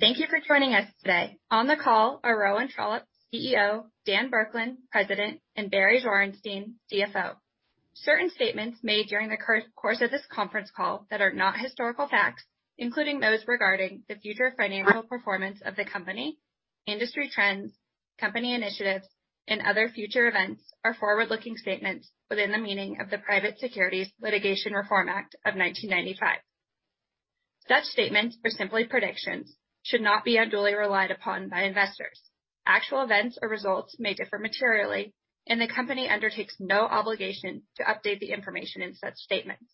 Thank you for joining us today. On the call are Rowan Trollope, CEO, Dan Burkland, President, and Barry Zwarenstein, CFO. Certain statements made during the course of this conference call that are not historical facts, including those regarding the future financial performance of the company, industry trends, company initiatives, and other future events are forward-looking statements within the meaning of the Private Securities Litigation Reform Act of 1995. Such statements or simply predictions should not be unduly relied upon by investors. Actual events or results may differ materially, and the company undertakes no obligation to update the information in such statements.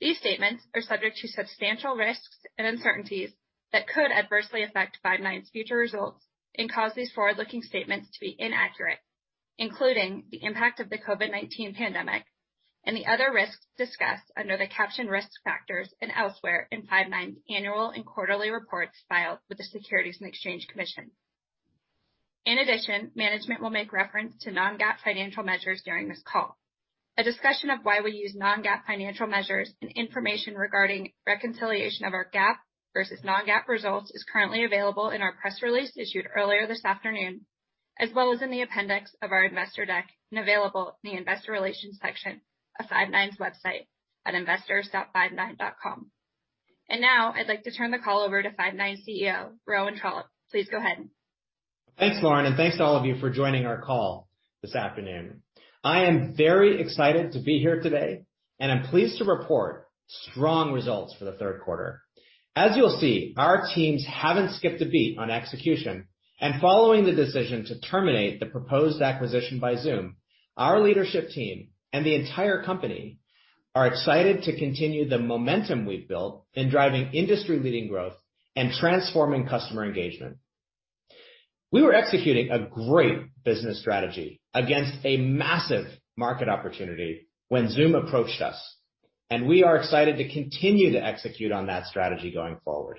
These statements are subject to substantial risks and uncertainties that could adversely affect Five9's future results and cause these forward-looking statements to be inaccurate, including the impact of the COVID-19 pandemic and the other risks discussed under the caption Risk Factors and elsewhere in Five9's annual and quarterly reports filed with the Securities and Exchange Commission. In addition, management will make reference to non-GAAP financial measures during this call. A discussion of why we use non-GAAP financial measures and information regarding reconciliation of our GAAP versus non-GAAP results is currently available in our press release issued earlier this afternoon, as well as in the appendix of our investor deck and available in the Investor Relations section of Five9's website at investors.five9.com. Now I'd like to turn the call over to Five9 CEO, Rowan Trollope. Please go ahead. Thanks, Lauren, and thanks to all of you for joining our call this afternoon. I am very excited to be here today, and I'm pleased to report strong results for the third quarter. As you'll see, our teams haven't skipped a beat on execution. Following the decision to terminate the proposed acquisition by Zoom, our leadership team and the entire company are excited to continue the momentum we've built in driving industry-leading growth and transforming customer engagement. We were executing a great business strategy against a massive market opportunity when Zoom approached us, and we are excited to continue to execute on that strategy going forward.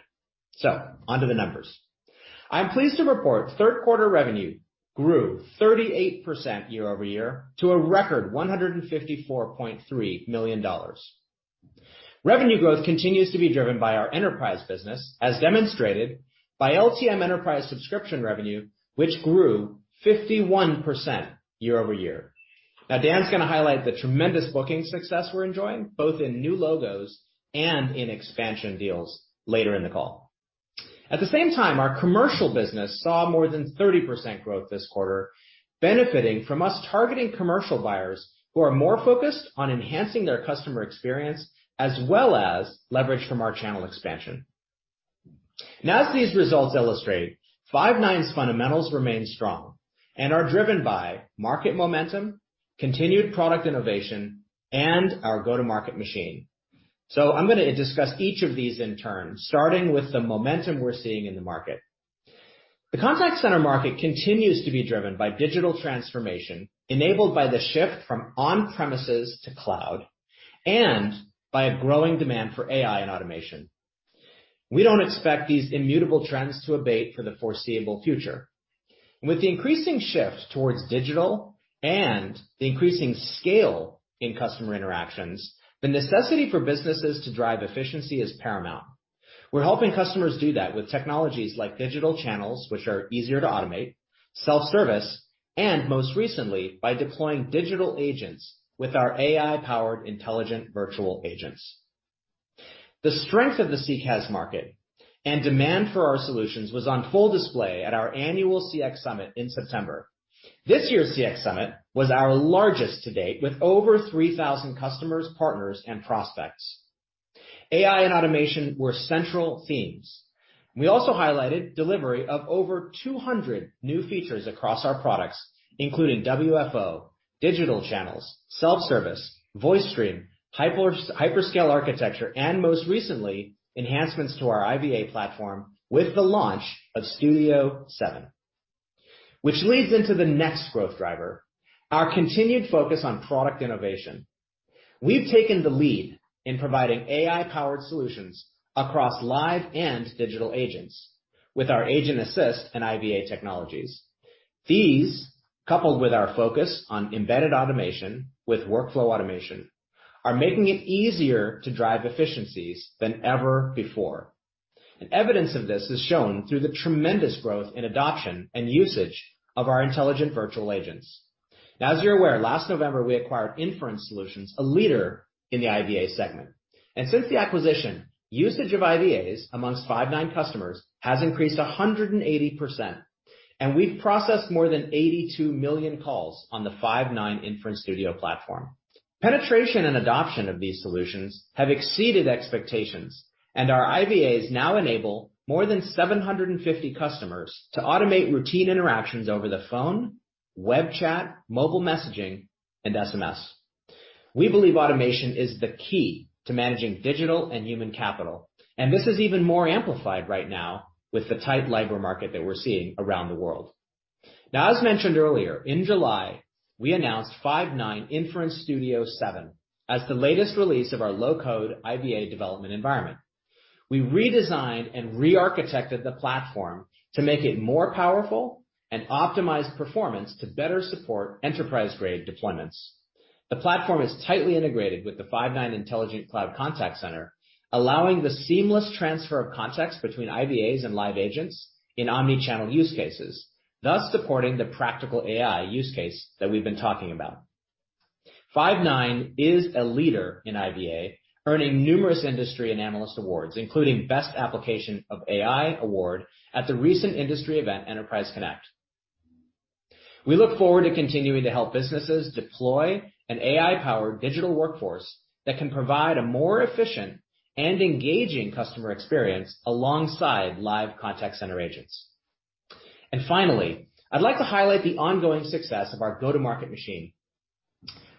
Onto the numbers. I'm pleased to report third quarter revenue grew 38% year-over-year to a record $154.3 million. Revenue growth continues to be driven by our enterprise business, as demonstrated by LTM Enterprise subscription revenue, which grew 51% year-over-year. Now, Dan's gonna highlight the tremendous booking success we're enjoying, both in new logos and in expansion deals later in the call. At the same time, our commercial business saw more than 30% growth this quarter, benefiting from us targeting commercial buyers who are more focused on enhancing their customer experience as well as leverage from our channel expansion. Now as these results illustrate, Five9's fundamentals remain strong and are driven by market momentum, continued product innovation, and our go-to-market machine. I'm gonna discuss each of these in turn, starting with the momentum we're seeing in the market. The contact center market continues to be driven by digital transformation enabled by the shift from on-premises to cloud and by a growing demand for AI and automation. We don't expect these immutable trends to abate for the foreseeable future. With the increasing shift towards digital and the increasing scale in customer interactions, the necessity for businesses to drive efficiency is paramount. We're helping customers do that with technologies like digital channels, which are easier to automate, self-service, and most recently, by deploying digital agents with our AI-powered intelligent virtual agents. The strength of the CCaaS market and demand for our solutions was on full display at our Annual CX Summit in September. This year's CX Summit was our largest to date with over 3,000 customers, partners, and prospects. AI and automation were central themes. We also highlighted delivery of over 200 new features across our products, including WFO, digital channels, self-service, VoiceStream, hyperscale architecture, and most recently, enhancements to our IVA platform with the launch of Studio 7. Which leads into the next growth driver, our continued focus on product innovation. We've taken the lead in providing AI-powered solutions across live and digital agents with our Agent Assist and IVA technologies. These, coupled with our focus on embedded automation with Workflow Automation, are making it easier to drive efficiencies than ever before. Evidence of this is shown through the tremendous growth in adoption and usage of our intelligent virtual agents. Now, as you're aware, last November, we acquired Inference Solutions, a leader in the IVA segment. Since the acquisition, usage of IVAs amongst Five9 customers has increased 180%, and we've processed more than 82 million calls on the Five9 Inference Studio platform. Penetration and adoption of these solutions have exceeded expectations, and our IVAs now enable more than 750 customers to automate routine interactions over the phone, web chat, mobile messaging, and SMS. We believe automation is the key to managing digital and human capital, and this is even more amplified right now with the tight labor market that we're seeing around the world. Now, as mentioned earlier, in July, we announced Five9 Inference Studio 7 as the latest release of our low-code IVA development environment. We redesigned and rearchitected the platform to make it more powerful and optimize performance to better support enterprise-grade deployments. The platform is tightly integrated with the Five9 Intelligent Cloud Contact Center, allowing the seamless transfer of contacts between IVAs and live agents in omni-channel use cases, thus supporting the practical AI use case that we've been talking about. Five9 is a leader in IVA, earning numerous industry and analyst awards, including Best Application of AI award at the recent industry event, Enterprise Connect. We look forward to continuing to help businesses deploy an AI-powered digital workforce that can provide a more efficient and engaging customer experience alongside live contact center agents. Finally, I'd like to highlight the ongoing success of our go-to-market machine.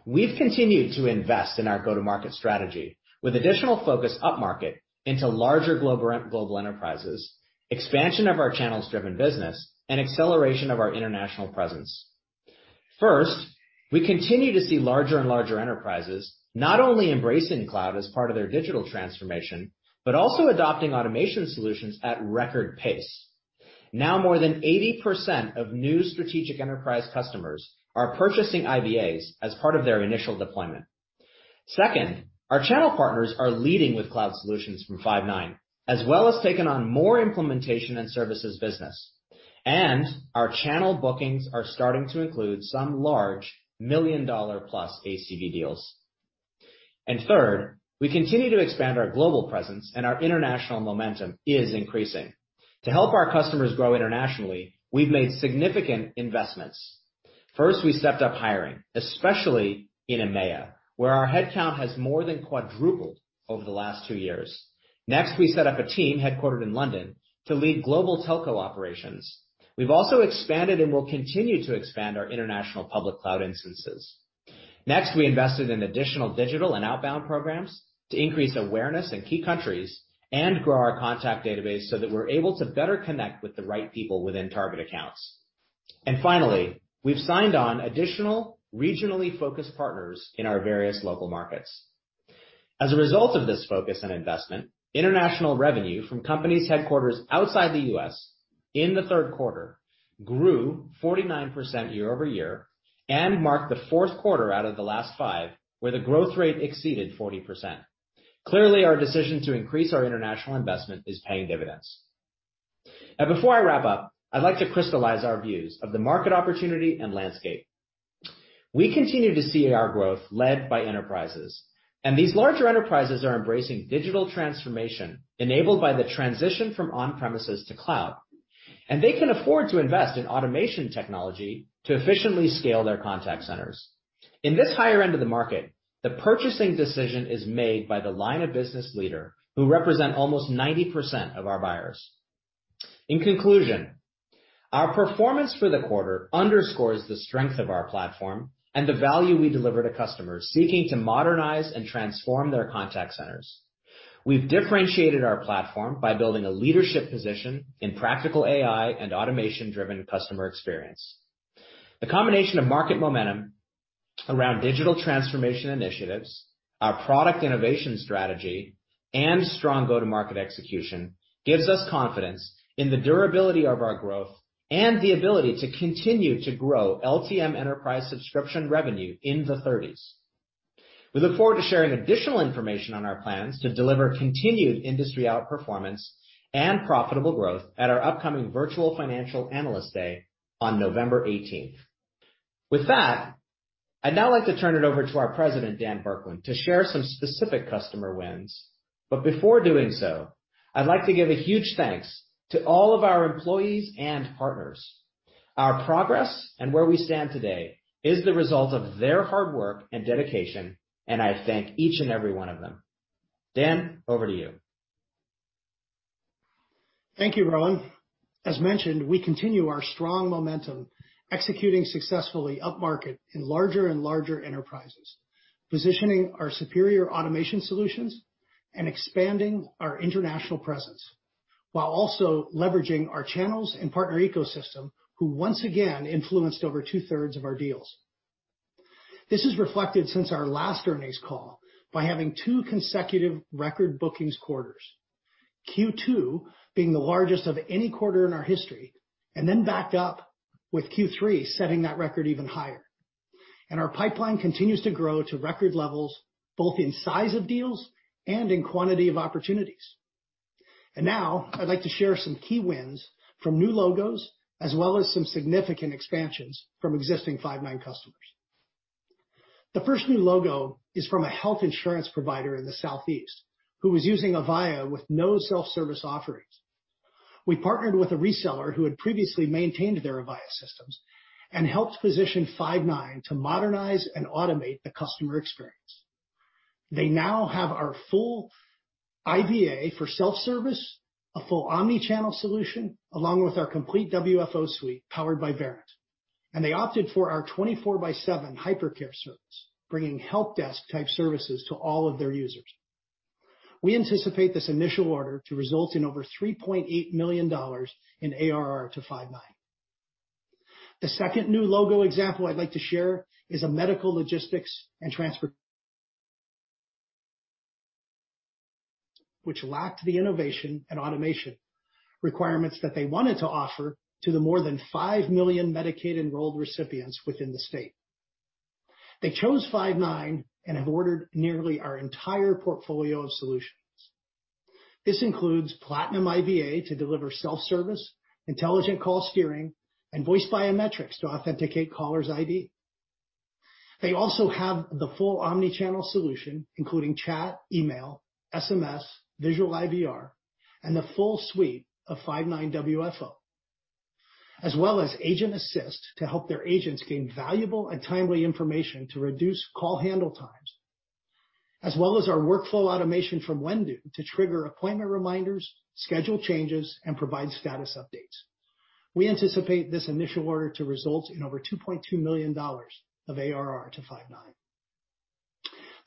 We've continued to invest in our go-to-market strategy with additional focus upmarket into larger global enterprises, expansion of our channels-driven business, and acceleration of our international presence. First, we continue to see larger and larger enterprises not only embracing cloud as part of their digital transformation, but also adopting automation solutions at record pace. Now more than 80% of new strategic enterprise customers are purchasing IVAs as part of their initial deployment. Second, our channel partners are leading with cloud solutions from Five9, as well as taking on more implementation and services business. Our channel bookings are starting to include some large $1 million+ ACV deals. Third, we continue to expand our global presence, and our international momentum is increasing. To help our customers grow internationally, we've made significant investments. First, we stepped up hiring, especially in EMEA, where our head count has more than quadrupled over the last two years. Next, we set up a team headquartered in London to lead global telco operations. We've also expanded and will continue to expand our international public cloud instances. Next, we invested in additional digital and outbound programs to increase awareness in key countries and grow our contact database so that we're able to better connect with the right people within target accounts. Finally, we've signed on additional regionally focused partners in our various local markets. As a result of this focus on investment, international revenue from companies headquartered outside the U.S. in the third quarter grew 49% year-over-year and marked the fourth quarter out of the last five where the growth rate exceeded 40%. Clearly, our decision to increase our international investment is paying dividends. Before I wrap up, I'd like to crystallize our views of the market opportunity and landscape. We continue to see our growth led by enterprises, and these larger enterprises are embracing digital transformation enabled by the transition from on-premises to cloud, and they can afford to invest in automation technology to efficiently scale their contact centers. In this higher end of the market, the purchasing decision is made by the line of business leader who represent almost 90% of our buyers. In conclusion, our performance for the quarter underscores the strength of our platform and the value we deliver to customers seeking to modernize and transform their contact centers. We've differentiated our platform by building a leadership position in practical AI and automation-driven customer experience. The combination of market momentum around digital transformation initiatives, our product innovation strategy, and strong go-to-market execution gives us confidence in the durability of our growth and the ability to continue to grow LTM enterprise subscription revenue in the 30s. We look forward to sharing additional information on our plans to deliver continued industry outperformance and profitable growth at our upcoming virtual Financial Analyst Day on November 18th. With that, I'd now like to turn it over to our President, Dan Burkland, to share some specific customer wins. Before doing so, I'd like to give a huge thanks to all of our employees and partners. Our progress and where we stand today is the result of their hard work and dedication, and I thank each and every one of them. Dan, over to you. Thank you, Rowan. As mentioned, we continue our strong momentum, executing successfully upmarket in larger and larger enterprises, positioning our superior automation solutions and expanding our international presence, while also leveraging our channels and partner ecosystem, who once again influenced over two-thirds of our deals. This is reflected since our last earnings call by having two consecutive record bookings quarters, Q2 being the largest of any quarter in our history, and then backed up with Q3 setting that record even higher. Our pipeline continues to grow to record levels, both in size of deals and in quantity of opportunities. Now I'd like to share some key wins from new logos, as well as some significant expansions from existing Five9 customers. The first new logo is from a health insurance provider in the southeast who was using Avaya with no self-service offerings. We partnered with a reseller who had previously maintained their Avaya systems and helped position Five9 to modernize and automate the customer experience. They now have our full IVA for self-service, a full omni-channel solution, along with our complete WFO suite powered by Verint. They opted for our 24/7 HyperCare service, bringing help desk type services to all of their users. We anticipate this initial order to result in over $3.8 million in ARR to Five9. The second new logo example I'd like to share is a medical logistics and transport which lacked the innovation and automation requirements that they wanted to offer to the more than 5 million Medicaid-enrolled recipients within the state. They chose Five9 and have ordered nearly our entire portfolio of solutions. This includes Platinum IVA to deliver self-service, intelligent call steering, and voice biometrics to authenticate caller's ID. They also have the full omni-channel solution, including chat, email, SMS, visual IVR, and the full suite of Five9 WFO, as well as Agent Assist to help their agents gain valuable and timely information to reduce call handle times, as well as our Workflow Automation from Whendu to trigger appointment reminders, schedule changes, and provide status updates. We anticipate this initial order to result in over $2.2 million of ARR to Five9.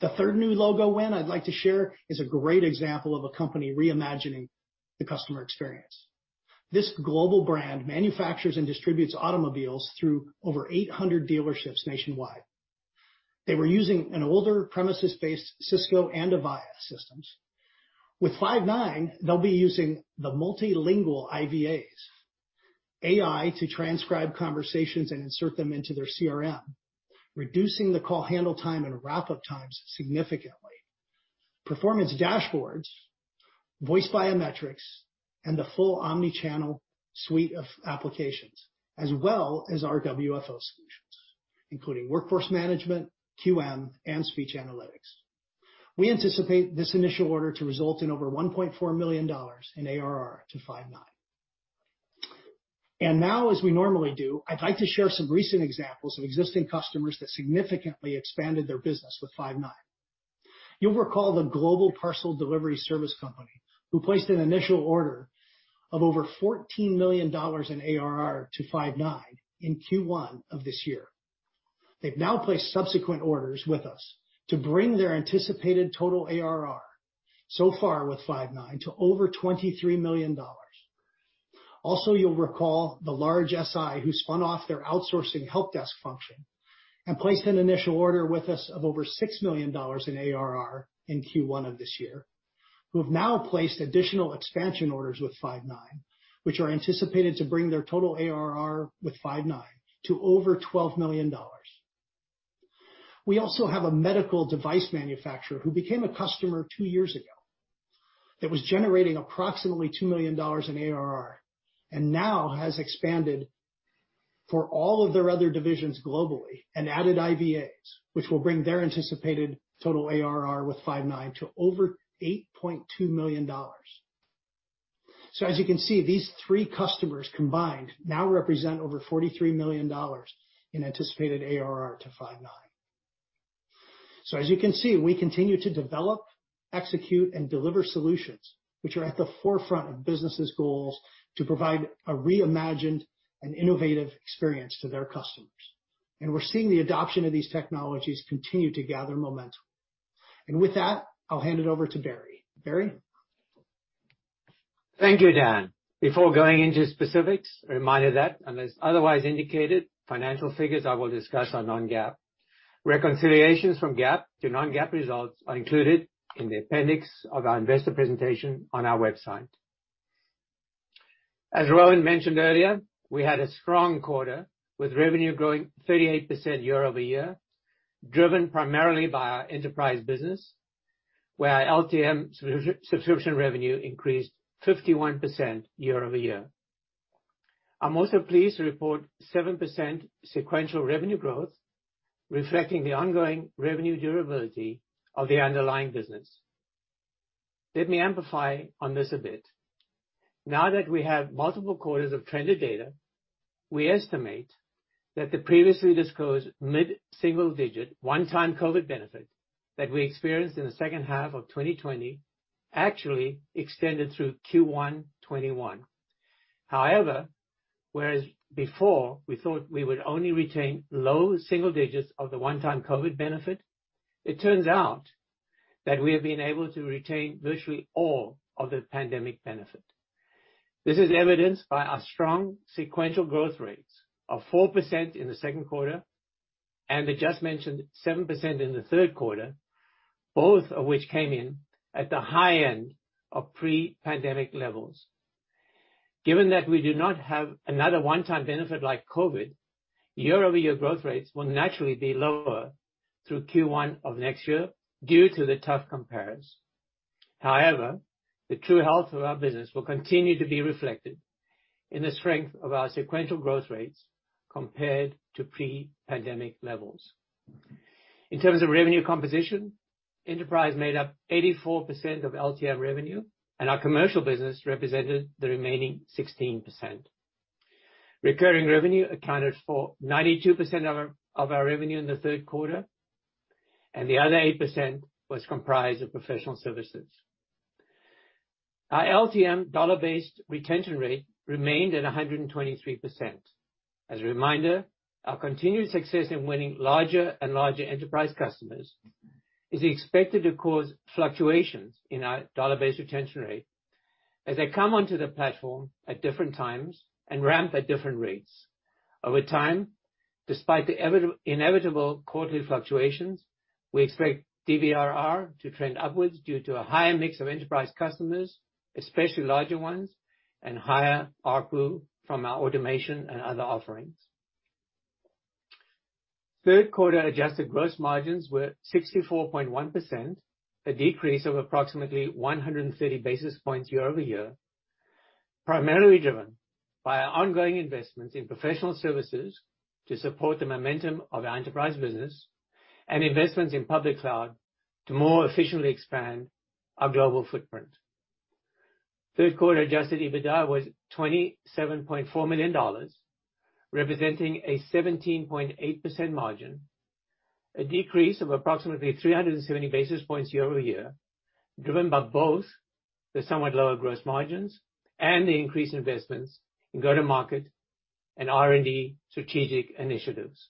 The third new logo win I'd like to share is a great example of a company reimagining the customer experience. This global brand manufactures and distributes automobiles through over 800 dealerships nationwide. They were using an older premises-based Cisco and Avaya systems. With Five9, they'll be using the multilingual IVAs, AI to transcribe conversations and insert them into their CRM, reducing the call handle time and wrap-up times significantly. Performance dashboards, voice biometrics, and the full omni-channel suite of applications, as well as our WFO solutions, including Workforce Management, QM, and speech analytics. We anticipate this initial order to result in over $1.4 million in ARR to Five9. Now, as we normally do, I'd like to share some recent examples of existing customers that significantly expanded their business with Five9. You'll recall the global parcel delivery service company who placed an initial order of over $14 million in ARR to Five9 in Q1 of this year. They've now placed subsequent orders with us to bring their anticipated total ARR so far with Five9 to over $23 million. Also, you'll recall the large SI who spun off their outsourcing helpdesk function and placed an initial order with us of over $6 million in ARR in Q1 of this year, who have now placed additional expansion orders with Five9, which are anticipated to bring their total ARR with Five9 to over $12 million. We also have a medical device manufacturer who became a customer two years ago, that was generating approximately $2 million in ARR and now has expanded for all of their other divisions globally and added IVAs, which will bring their anticipated total ARR with Five9 to over $8.2 million. As you can see, these three customers combined now represent over $43 million in anticipated ARR to Five9. As you can see, we continue to develop, execute, and deliver solutions which are at the forefront of businesses' goals to provide a reimagined and innovative experience to their customers. We're seeing the adoption of these technologies continue to gather momentum. With that, I'll hand it over to Barry. Barry? Thank you, Dan. Before going into specifics, a reminder that unless otherwise indicated, financial figures I will discuss are non-GAAP. Reconciliations from GAAP to non-GAAP results are included in the appendix of our investor presentation on our website. As Rowan mentioned earlier, we had a strong quarter with revenue growing 38% year-over-year, driven primarily by our enterprise business, where our LTM subscription revenue increased 51% year-over-year. I'm also pleased to report 7% sequential revenue growth, reflecting the ongoing revenue durability of the underlying business. Let me amplify on this a bit. Now that we have multiple quarters of trended data, we estimate that the previously disclosed mid-single digit one-time COVID benefit that we experienced in the second half of 2020 actually extended through Q1 2021. However, whereas before we thought we would only retain low single digits of the one-time COVID benefit, it turns out that we have been able to retain virtually all of the pandemic benefit. This is evidenced by our strong sequential growth rates of 4% in the second quarter, and the just mentioned 7% in the third quarter, both of which came in at the high end of pre-pandemic levels. Given that we do not have another one-time benefit like COVID, year-over-year growth rates will naturally be lower through Q1 of next year due to the tough comparison. However, the true health of our business will continue to be reflected in the strength of our sequential growth rates compared to pre-pandemic levels. In terms of revenue composition, enterprise made up 84% of LTM revenue, and our commercial business represented the remaining 16%. Recurring revenue accounted for 92% of our revenue in the third quarter, and the other 8% was comprised of professional services. Our LTM dollar-based retention rate remained at 123%. As a reminder, our continued success in winning larger and larger enterprise customers is expected to cause fluctuations in our dollar-based retention rate as they come onto the platform at different times and ramp at different rates. Over time, despite the inevitable quarterly fluctuations, we expect DBRR to trend upwards due to a higher mix of enterprise customers, especially larger ones, and higher ARPU from our automation and other offerings. Third quarter adjusted gross margins were 64.1%, a decrease of approximately 130 basis points year-over-year, primarily driven by our ongoing investments in professional services to support the momentum of our enterprise business and investments in public cloud to more efficiently expand our global footprint. Third quarter adjusted EBITDA was $27.4 million, representing a 17.8% margin, a decrease of approximately 370 basis points year-over-year, driven by both the somewhat lower gross margins and the increased investments in go-to-market and R&D strategic initiatives.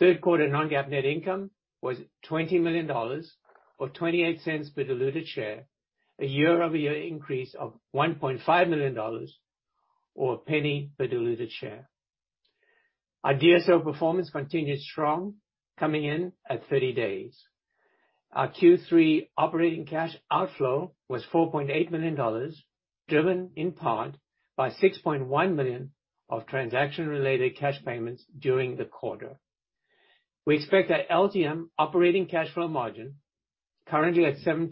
Third quarter non-GAAP net income was $20 million, or $0.28 Per diluted share, a year-over-year increase of $1.5 million or $0.01 per diluted share. Our DSO performance continued strong, coming in at 30 days. Our Q3 operating cash outflow was $4.8 million, driven in part by $6.1 million of transaction related cash payments during the quarter. We expect our LTM operating cash flow margin, currently at 7%,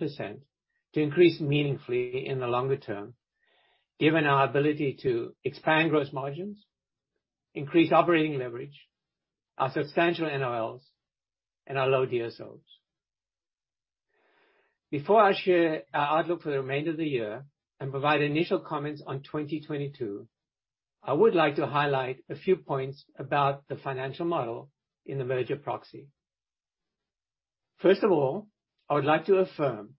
to increase meaningfully in the longer term, given our ability to expand gross margins, increase operating leverage, our substantial NOLs and our low DSOs. Before I share our outlook for the remainder of the year and provide initial comments on 2022, I would like to highlight a few points about the financial model in the merger proxy. First of all, I would like to affirm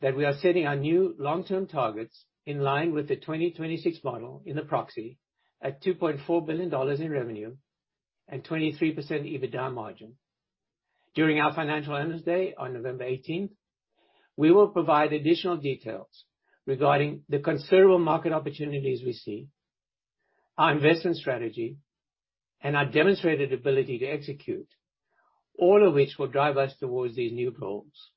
that we are setting our new long-term targets in line with the 2026 model in the proxy at $2.4 billion in revenue and 23% EBITDA margin. During our Financial Analyst Day on November 18th, we will provide additional details regarding the considerable market opportunities we see, our investment strategy, and our demonstrated ability to execute, all of which will drive us towards these new goals.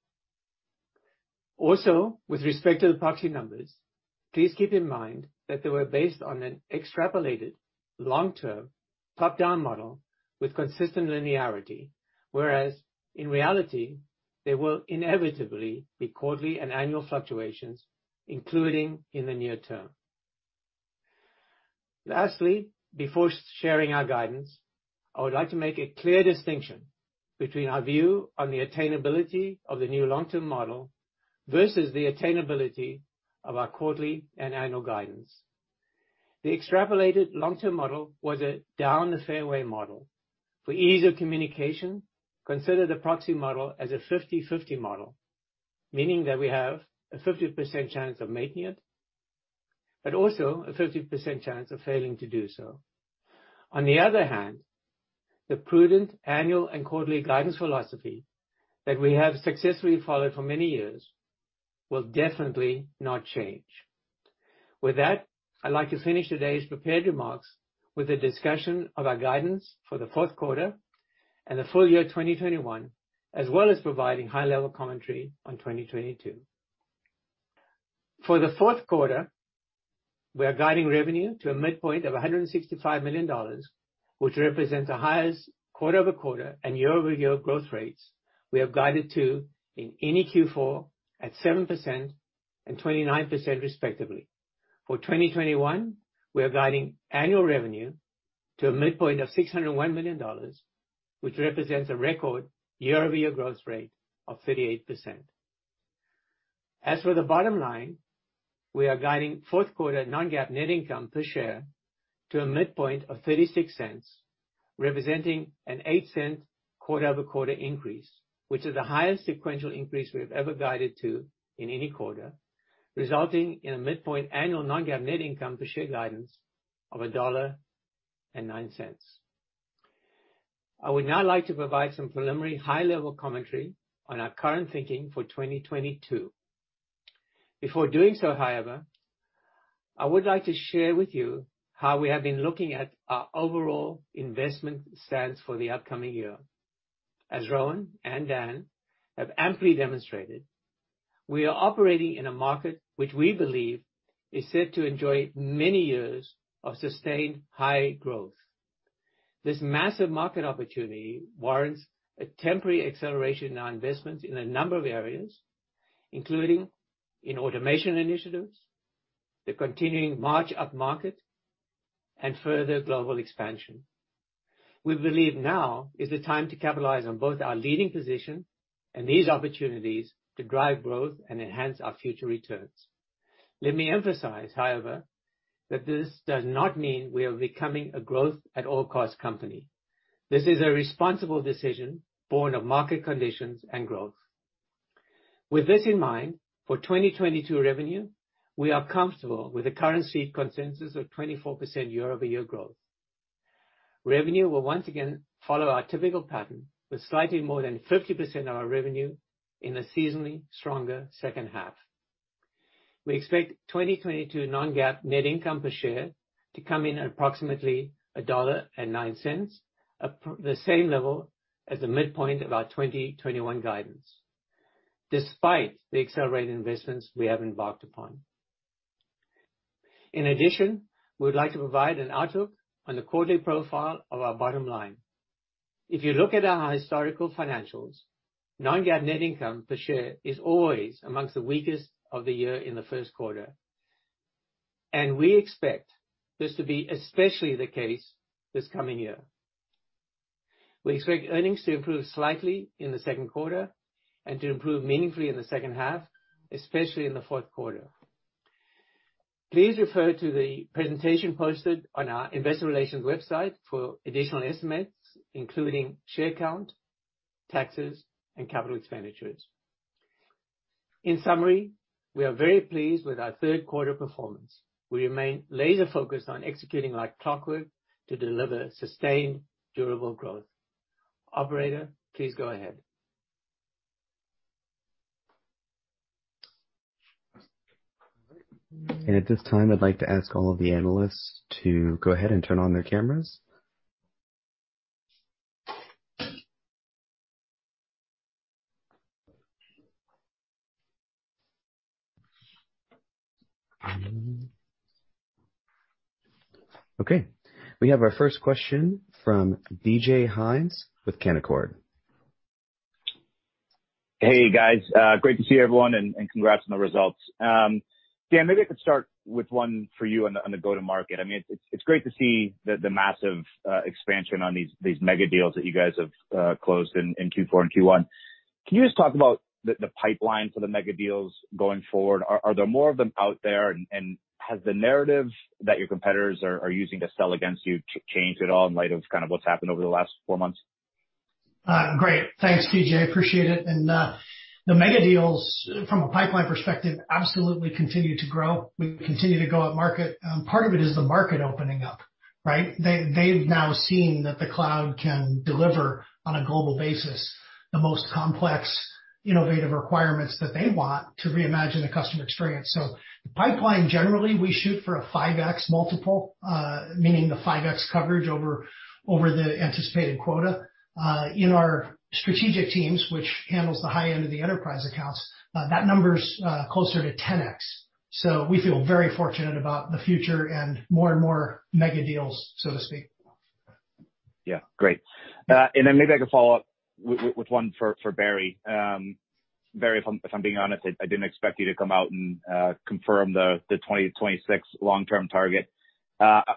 Also, with respect to the proxy numbers, please keep in mind that they were based on an extrapolated long-term top-down model with consistent linearity, whereas in reality there will inevitably be quarterly and annual fluctuations, including in the near term. Lastly, before sharing our guidance, I would like to make a clear distinction between our view on the attainability of the new long-term model versus the attainability of our quarterly and annual guidance. The extrapolated long-term model was a down the fairway model. For ease of communication, consider the proxy model as a 50/50 model, meaning that we have a 50% chance of making it, but also a 50% chance of failing to do so. On the other hand, the prudent annual and quarterly guidance philosophy that we have successfully followed for many years will definitely not change. With that, I'd like to finish today's prepared remarks with a discussion of our guidance for the fourth quarter and the full year 2021, as well as providing high level commentary on 2022. For the fourth quarter, we are guiding revenue to a midpoint of $165 million, which represents the highest quarter-over-quarter and year-over-year growth rates we have guided to in any Q4 at 7% and 29% respectively. For 2021, we are guiding annual revenue to a midpoint of $601 million, which represents a record year-over-year growth rate of 38%. As for the bottom line, we are guiding fourth quarter non-GAAP net income per share to a midpoint of $0.36, representing an $0.08 quarter-over-quarter increase, which is the highest sequential increase we have ever guided to in any quarter, resulting in a midpoint annual non-GAAP net income per share guidance of $1.09. I would now like to provide some preliminary high level commentary on our current thinking for 2022. Before doing so, however, I would like to share with you how we have been looking at our overall investment stance for the upcoming year. As Rowan and Dan have amply demonstrated, we are operating in a market which we believe is set to enjoy many years of sustained high growth. This massive market opportunity warrants a temporary acceleration on investments in a number of areas, including in automation initiatives, the continuing march up market, and further global expansion. We believe now is the time to capitalize on both our leading position and these opportunities to drive growth and enhance our future returns. Let me emphasize, however, that this does not mean we are becoming a growth at all costs company. This is a responsible decision born of market conditions and growth. With this in mind, for 2022 revenue, we are comfortable with the current Street consensus of 24% year-over-year growth. Revenue will once again follow our typical pattern with slightly more than 50% of our revenue in a seasonally stronger second half. We expect 2022 non-GAAP net income per share to come in at approximately $1.09, the same level as the midpoint of our 2021 guidance, despite the accelerated investments we have embarked upon. In addition, we would like to provide an outlook on the quarterly profile of our bottom line. If you look at our historical financials, non-GAAP net income per share is always amongst the weakest of the year in the first quarter, and we expect this to be especially the case this coming year. We expect earnings to improve slightly in the second quarter and to improve meaningfully in the second half, especially in the fourth quarter. Please refer to the presentation posted on our investor relations website for additional estimates, including share count, taxes, and capital expenditures. In summary, we are very pleased with our third quarter performance. We remain laser focused on executing like clockwork to deliver sustained, durable growth. Operator, please go ahead. At this time, I'd like to ask all of the analysts to go ahead and turn on their cameras. Okay, we have our first question from DJ Hynes with Canaccord. Hey, guys. Great to see everyone and congrats on the results. Dan, maybe I could start with one for you on the go-to-market. I mean, it's great to see the massive expansion on these mega deals that you guys have closed in Q4 and Q1. Can you just talk about the pipeline for the mega deals going forward? Are there more of them out there? And has the narrative that your competitors are using to sell against you changed at all in light of kind of what's happened over the last four months? Great. Thanks, DJ, appreciate it. The mega deals from a pipeline perspective absolutely continue to grow. We continue to go at market. Part of it is the market opening up, right? They've now seen that the cloud can deliver on a global basis the most complex, innovative requirements that they want to reimagine the customer experience. Pipeline, generally, we shoot for a 5x multiple, meaning the 5x coverage over the anticipated quota. In our strategic teams, which handles the high end of the enterprise accounts, that number's closer to 10x. We feel very fortunate about the future and more and more mega deals, so to speak. Yeah. Great. Maybe I could follow up with one for Barry. Barry, if I'm being honest, I didn't expect you to come out and confirm the 2026 long-term target.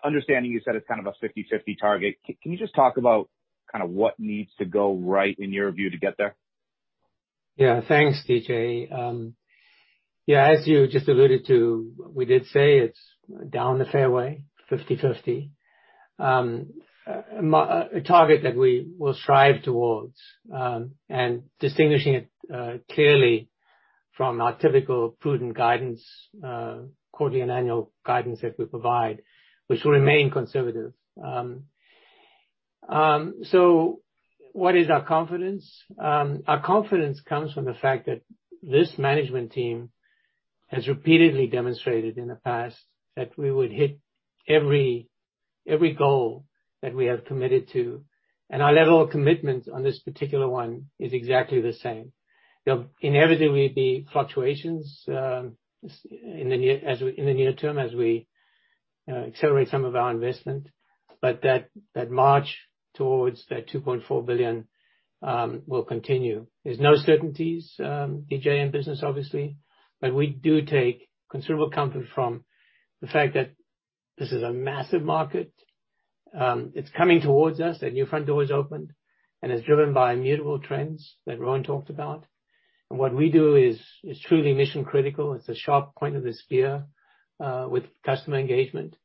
Understanding you said it's kind of a 50/50 target, can you just talk about kind of what needs to go right in your view to get there? Yeah. Thanks, DJ. As you just alluded to, we did say it's down the fairway, 50/50. A target that we will strive towards, and distinguishing it clearly from our typical prudent guidance, quarterly and annual guidance that we provide, which will remain conservative. What is our confidence? Our confidence comes from the fact that this management team has repeatedly demonstrated in the past that we would hit every goal that we have committed to, and our level of commitment on this particular one is exactly the same. You know, inevitably, the fluctuations in the near term, as we accelerate some of our investment. That march towards that $2.4 billion will continue. There's no certainties, DJ, in business, obviously, but we do take considerable comfort from the fact that this is a massive market. It's coming towards us, the new front door is opened, and it's driven by immutable trends that Rowan talked about. What we do is truly mission critical. It's a sharp point of the spear with customer engagement.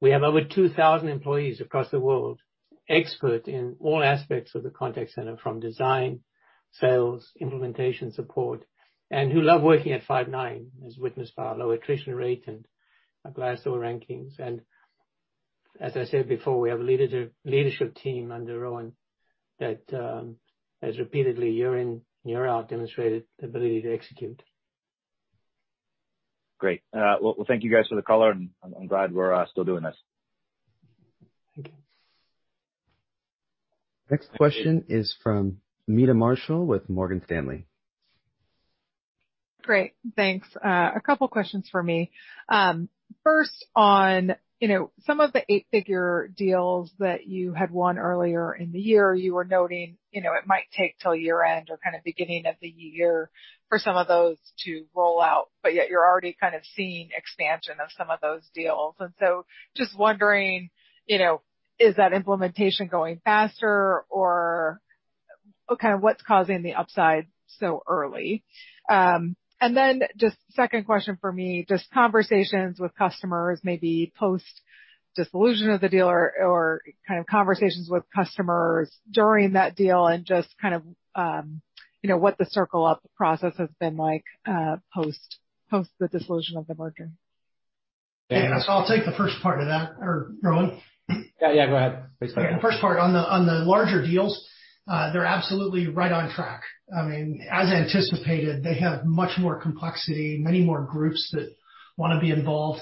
We have over 2,000 employees across the world, expert in all aspects of the contact center, from design, sales, implementation, support, and who love working at Five9, as witnessed by our lower attrition rate and our Glassdoor rankings. As I said before, we have a leadership team under Rowan that has repeatedly, year in, year out, demonstrated ability to execute. Great. Well, thank you guys for the color, and I'm glad we're still doing this. Thank you. Next question is from Meta Marshall with Morgan Stanley. Great. Thanks. A couple questions for me. First on, you know, some of the eight-figure deals that you had won earlier in the year, you were noting, you know, it might take till year end or kinda beginning of the year for some of those to roll out, but yet you're already kind of seeing expansion of some of those deals. Just wondering, you know, is that implementation going faster or kind of what's causing the upside so early? Just second question for me, just conversations with customers, maybe post dissolution of the deal or kind of conversations with customers during that deal and just kind of, You know, what the circle up process has been like, post the dissolution of the merger? Yeah. I'll take the first part of that. Rowan? Yeah, yeah, go ahead. The first part on the larger deals, they're absolutely right on track. I mean, as anticipated, they have much more complexity, many more groups that wanna be involved.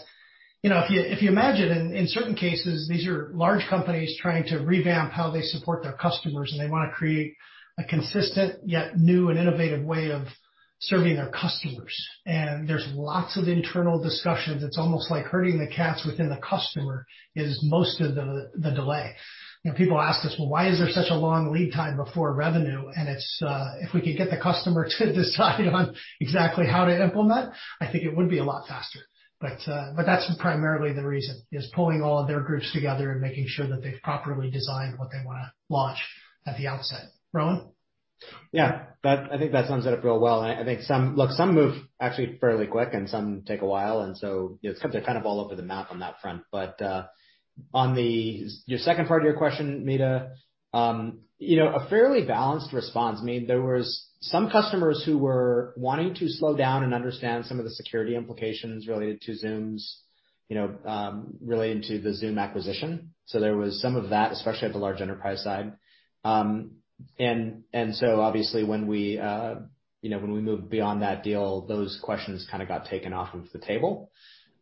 You know, if you imagine in certain cases, these are large companies trying to revamp how they support their customers, and they wanna create a consistent, yet new and innovative way of serving their customers. There's lots of internal discussions. It's almost like herding the cats within the customer is most of the delay. You know, people ask us, "Well, why is there such a long lead time before revenue?" It's if we could get the customer to decide on exactly how to implement, I think it would be a lot faster. that's primarily the reason, is pulling all of their groups together and making sure that they've properly designed what they wanna launch at the outset. Rowan? Yeah. I think that sums it up real well. I think some move actually fairly quick and some take a while, and so they're kind of all over the map on that front. On your second part of your question, Meta, you know, a fairly balanced response. I mean, there was some customers who were wanting to slow down and understand some of the security implications related to the Zoom acquisition. There was some of that, especially at the large enterprise side. Obviously, when we you know, moved beyond that deal, those questions kinda got taken off of the table.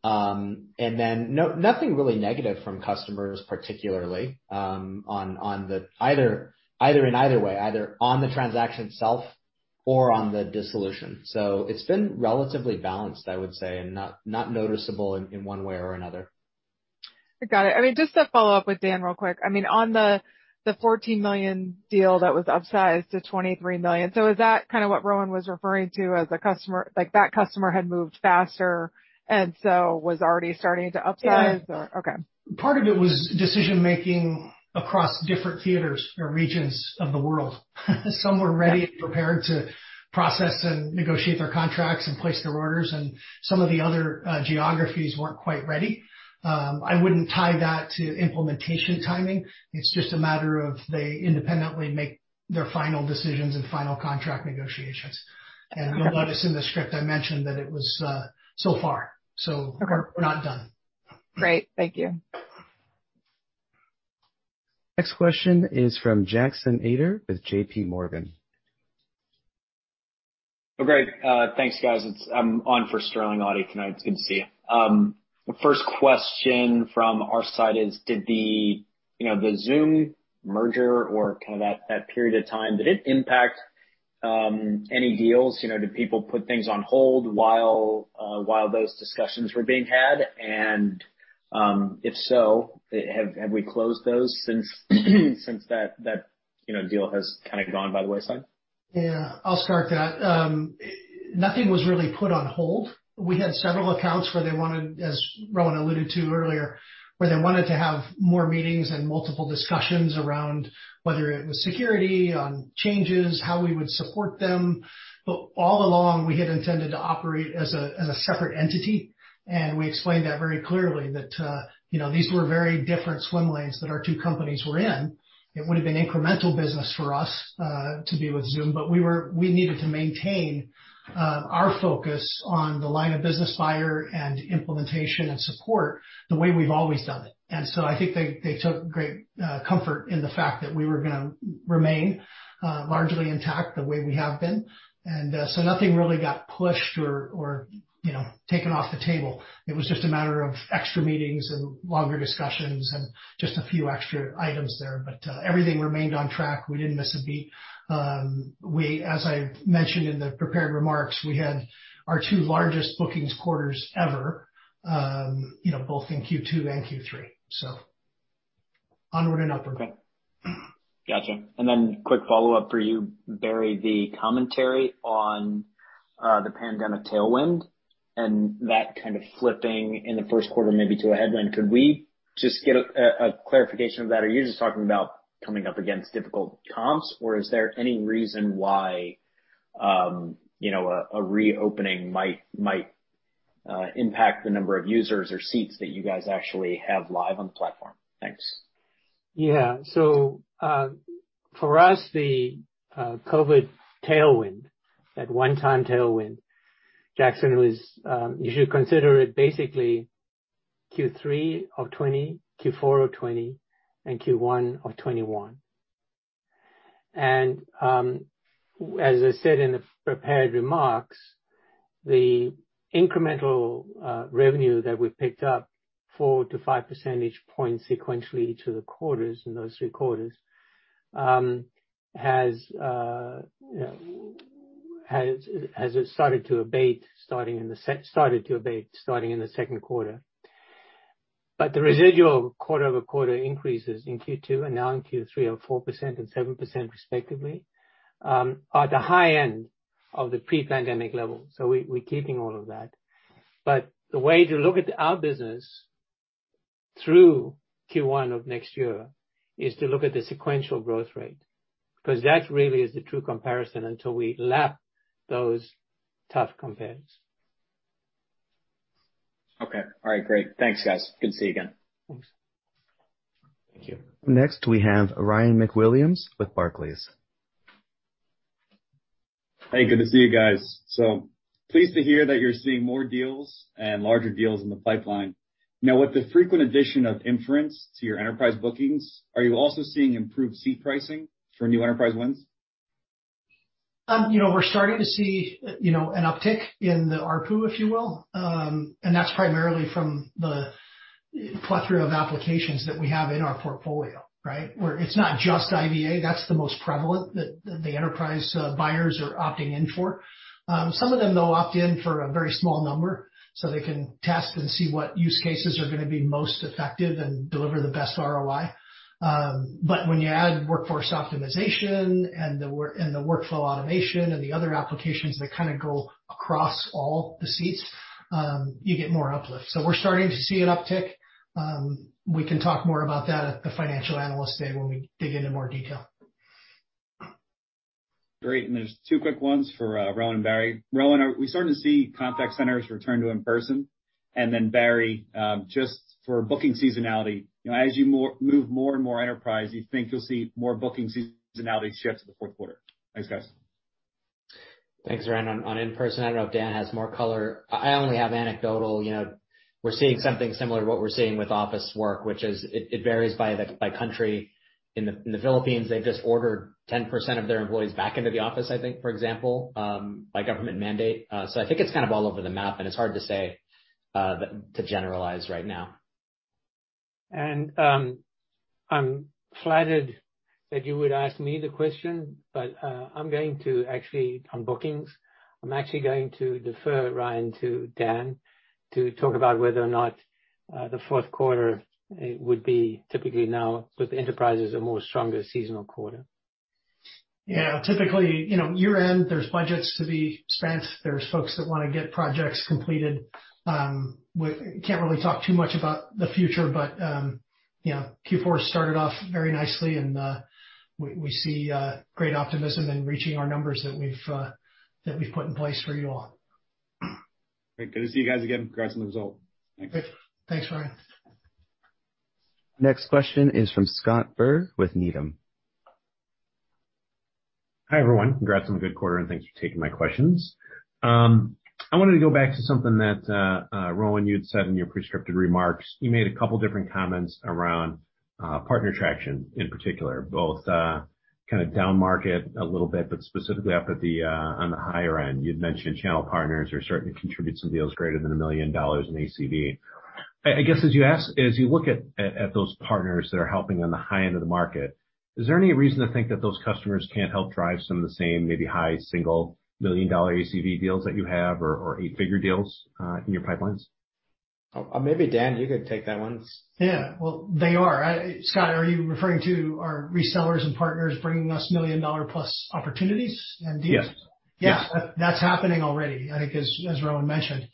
Nothing really negative from customers, particularly, either way, either on the transaction itself or on the dissolution. It's been relatively balanced, I would say, and not noticeable in one way or another. Got it. I mean, just to follow up with Dan real quick. I mean, on the $14 million deal that was upsized to $23 million. Is that kinda what Rowan was referring to as a customer, like, that customer had moved faster and so was already starting to upsize or? Yeah. Okay. Part of it was decision-making across different theaters or regions of the world. Some were ready and prepared to process and negotiate their contracts and place their orders, and some of the other geographies weren't quite ready. I wouldn't tie that to implementation timing. It's just a matter of they independently make their final decisions and final contract negotiations. You'll notice in the script, I mentioned that it was so far, so- Okay. We're not done. Great. Thank you. Next question is from Jackson Ader with JP Morgan. Oh, great. Thanks, guys. I'm on for Sterling Auty tonight. It's good to see you. First question from our side is, did the, you know, the Zoom merger or kind of that period of time, did it impact any deals? You know, did people put things on hold while those discussions were being had? If so, have we closed those since that, you know, deal has kinda gone by the wayside? Yeah. I'll start that. Nothing was really put on hold. We had several accounts where they wanted, as Rowan alluded to earlier, to have more meetings and multiple discussions around whether it was security, on changes, how we would support them. But all along, we had intended to operate as a separate entity, and we explained that very clearly that you know, these were very different swim lanes that our two companies were in. It would have been incremental business for us to be with Zoom, but we needed to maintain our focus on the line of business buyer and implementation and support the way we've always done it. I think they took great comfort in the fact that we were gonna remain largely intact the way we have been. Nothing really got pushed or, you know, taken off the table. It was just a matter of extra meetings and longer discussions and just a few extra items there. Everything remained on track. We didn't miss a beat. We, as I mentioned in the prepared remarks, we had our two largest bookings quarters ever, you know, both in Q2 and Q3. Onward and upward. Okay. Gotcha. Quick follow-up for you, Barry. The commentary on the pandemic tailwind and that kind of flipping in the first quarter maybe to a headwind. Could we just get a clarification of that? Are you just talking about coming up against difficult comps, or is there any reason why you know a reopening might impact the number of users or seats that you guys actually have live on the platform? Thanks. Yeah. For us, the COVID tailwind, that one-time tailwind, Jackson, was you should consider it basically Q3 of 2020, Q4 of 2020, and Q1 of 2021. As I said in the prepared remarks, the incremental revenue that we picked up 4-5 percentage points sequentially to the quarters in those three quarters, you know, has started to abate starting in the second quarter. The residual quarter-over-quarter increases in Q2 and now in Q3 of 4% and 7% respectively are the high end of the pre-pandemic level. We're keeping all of that. The way to look at our business through Q1 of next year is to look at the sequential growth rate, 'cause that really is the true comparison until we lap those tough comparisons. Okay. All right, great. Thanks, guys. Good to see you again. Thanks. Thank you. Next, we have Ryan MacWilliams with Barclays. Hey, good to see you guys. Pleased to hear that you're seeing more deals and larger deals in the pipeline. Now, with the frequent addition of inference to your enterprise bookings, are you also seeing improved seat pricing for new enterprise wins? You know, we're starting to see, you know, an uptick in the ARPU, if you will. That's primarily from the plethora of applications that we have in our portfolio, right? Where it's not just IVA, that's the most prevalent that the enterprise buyers are opting in for. Some of them, they'll opt in for a very small number so they can test and see what use cases are gonna be most effective and deliver the best ROI. When you add Workforce Optimization and the Workflow Automation and the other applications that kinda go across all the seats, you get more uplift. We're starting to see an uptick. We can talk more about that at the financial analyst day when we dig into more detail. Great. There's two quick ones for Rowan and Barry. Rowan, are we starting to see contact centers return to in-person? Barry, just for booking seasonality, you know, as you move more and more enterprise, you think you'll see more booking seasonality shift to the fourth quarter. Thanks, guys. Thanks, Ryan. On in-person, I don't know if Dan has more color. I only have anecdotal. You know, we're seeing something similar to what we're seeing with office work, which is it varies by country. In the Philippines, they've just ordered 10% of their employees back into the office, I think, for example, by government mandate. I think it's kind of all over the map, and it's hard to say, but to generalize right now. I'm flattered that you would ask me the question, but I'm going to actually, on bookings, I'm actually going to defer Ryan to Dan to talk about whether or not the fourth quarter would be typically now with enterprises a more stronger seasonal quarter. Yeah. Typically, you know, year-end, there's budgets to be spent. There's folks that wanna get projects completed. We can't really talk too much about the future, but, you know, Q4 started off very nicely, and, we see great optimism in reaching our numbers that we've put in place for you all. Great. Good to see you guys again. Congrats on the result. Thanks. Thanks, Ryan. Next question is from Scott Berg with Needham. Hi, everyone. Congrats on a good quarter, and thanks for taking my questions. I wanted to go back to something that Rowan, you'd said in your prepared remarks. You made a couple different comments around partner traction in particular, both kinda downmarket a little bit, but specifically upmarket on the higher end. You'd mentioned channel partners are starting to contribute some deals greater than $1 million in ACV. I guess as you look at those partners that are helping on the high end of the market, is there any reason to think that those customers can't help drive some of the same maybe high single million-dollar ACV deals that you have or eight-figure deals in your pipelines? Maybe Dan, you could take that one. Yeah. Well, they are. Scott, are you referring to our resellers and partners bringing us $1 million+ opportunities and deals? Yes. Yeah. That's happening already. I think as Rowan mentioned,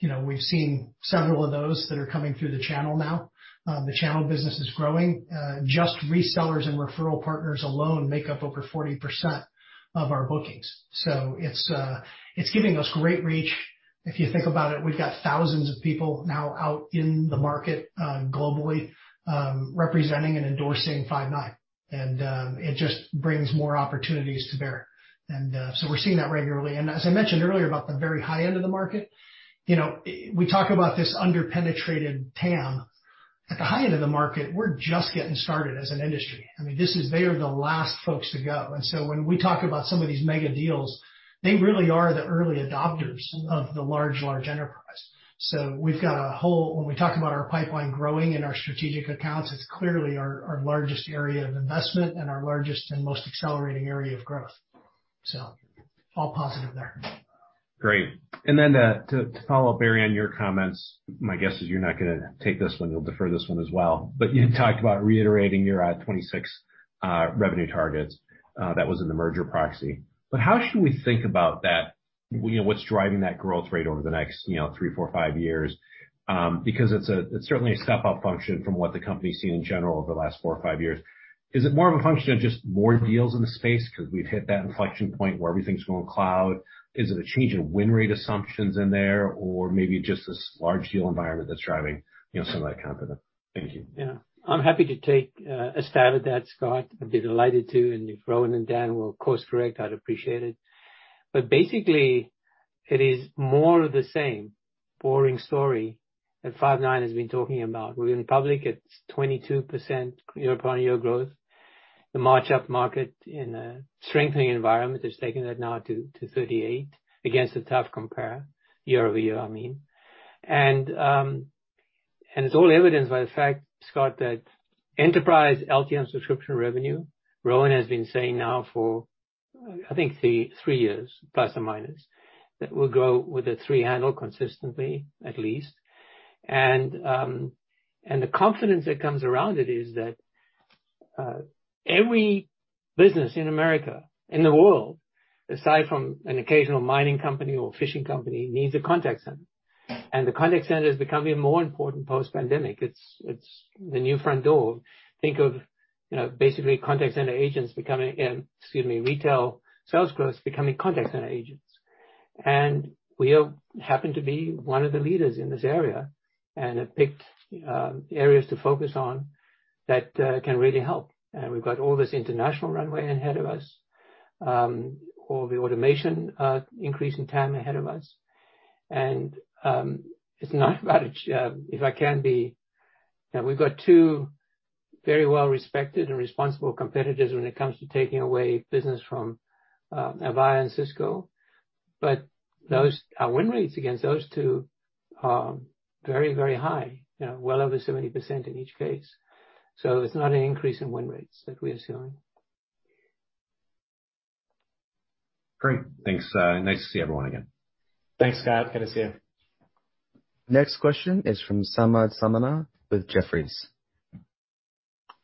you know, we've seen several of those that are coming through the channel now. The channel business is growing. Just resellers and referral partners alone make up over 40% of our bookings. It's giving us great reach. If you think about it, we've got thousands of people now out in the market, globally, representing and endorsing Five9, and it just brings more opportunities to bear. We're seeing that regularly. As I mentioned earlier about the very high end of the market, you know, we talk about this under-penetrated TAM. At the high end of the market, we're just getting started as an industry. I mean, this is. They are the last folks to go. When we talk about some of these mega deals, they really are the early adopters of the large enterprise. When we talk about our pipeline growing in our strategic accounts, it's clearly our largest area of investment and our largest and most accelerating area of growth. All positive there. Great. To follow up, Barry, on your comments, my guess is you're not gonna take this one. You'll defer this one as well. You had talked about reiterating your 2026 revenue targets. That was in the merger proxy. How should we think about that? You know, what's driving that growth rate over the next, you know, 3, 4, 5 years? Because it's certainly a step-up function from what the company's seen in general over the last 4 or 5 years. Is it more of a function of just more deals in the space 'cause we've hit that inflection point where everything's going cloud? Is it a change in win rate assumptions in there or maybe just this large deal environment that's driving, you know, some of that confidence? Thank you. Yeah. I'm happy to take a stab at that, Scott. I'd be delighted to, and if Rowan and Dan will course correct, I'd appreciate it. Basically, it is more of the same boring story that Five9 has been talking about. We're in public, it's 22% year-over-year growth. The March upmarket in a strengthening environment has taken that now to 38% against a tough compare year-over-year, I mean. It's all evidenced by the fact, Scott, that enterprise LTM subscription revenue, Rowan has been saying now for I think three years, plus or minus, that we'll grow with a three handle consistently at least. The confidence that comes around it is that every business in America, in the world, aside from an occasional mining company or fishing company, needs a contact center. The contact center is becoming more important post-pandemic. It's the new front door. Think of you know, basically retail sales growth becoming contact center agents. We happen to be one of the leaders in this area and have picked areas to focus on that can really help. We've got all this international runway ahead of us, all the automation, increase in TAM ahead of us. You know, we've got two very well-respected and responsible competitors when it comes to taking away business from Avaya and Cisco, but those, our win rates against those two are very, very high. You know, well over 70% in each case. It's not an increase in win rates that we're assuming. Great. Thanks. Nice to see everyone again. Thanks, Scott. Good to see you. Next question is from Samad Samana with Jefferies.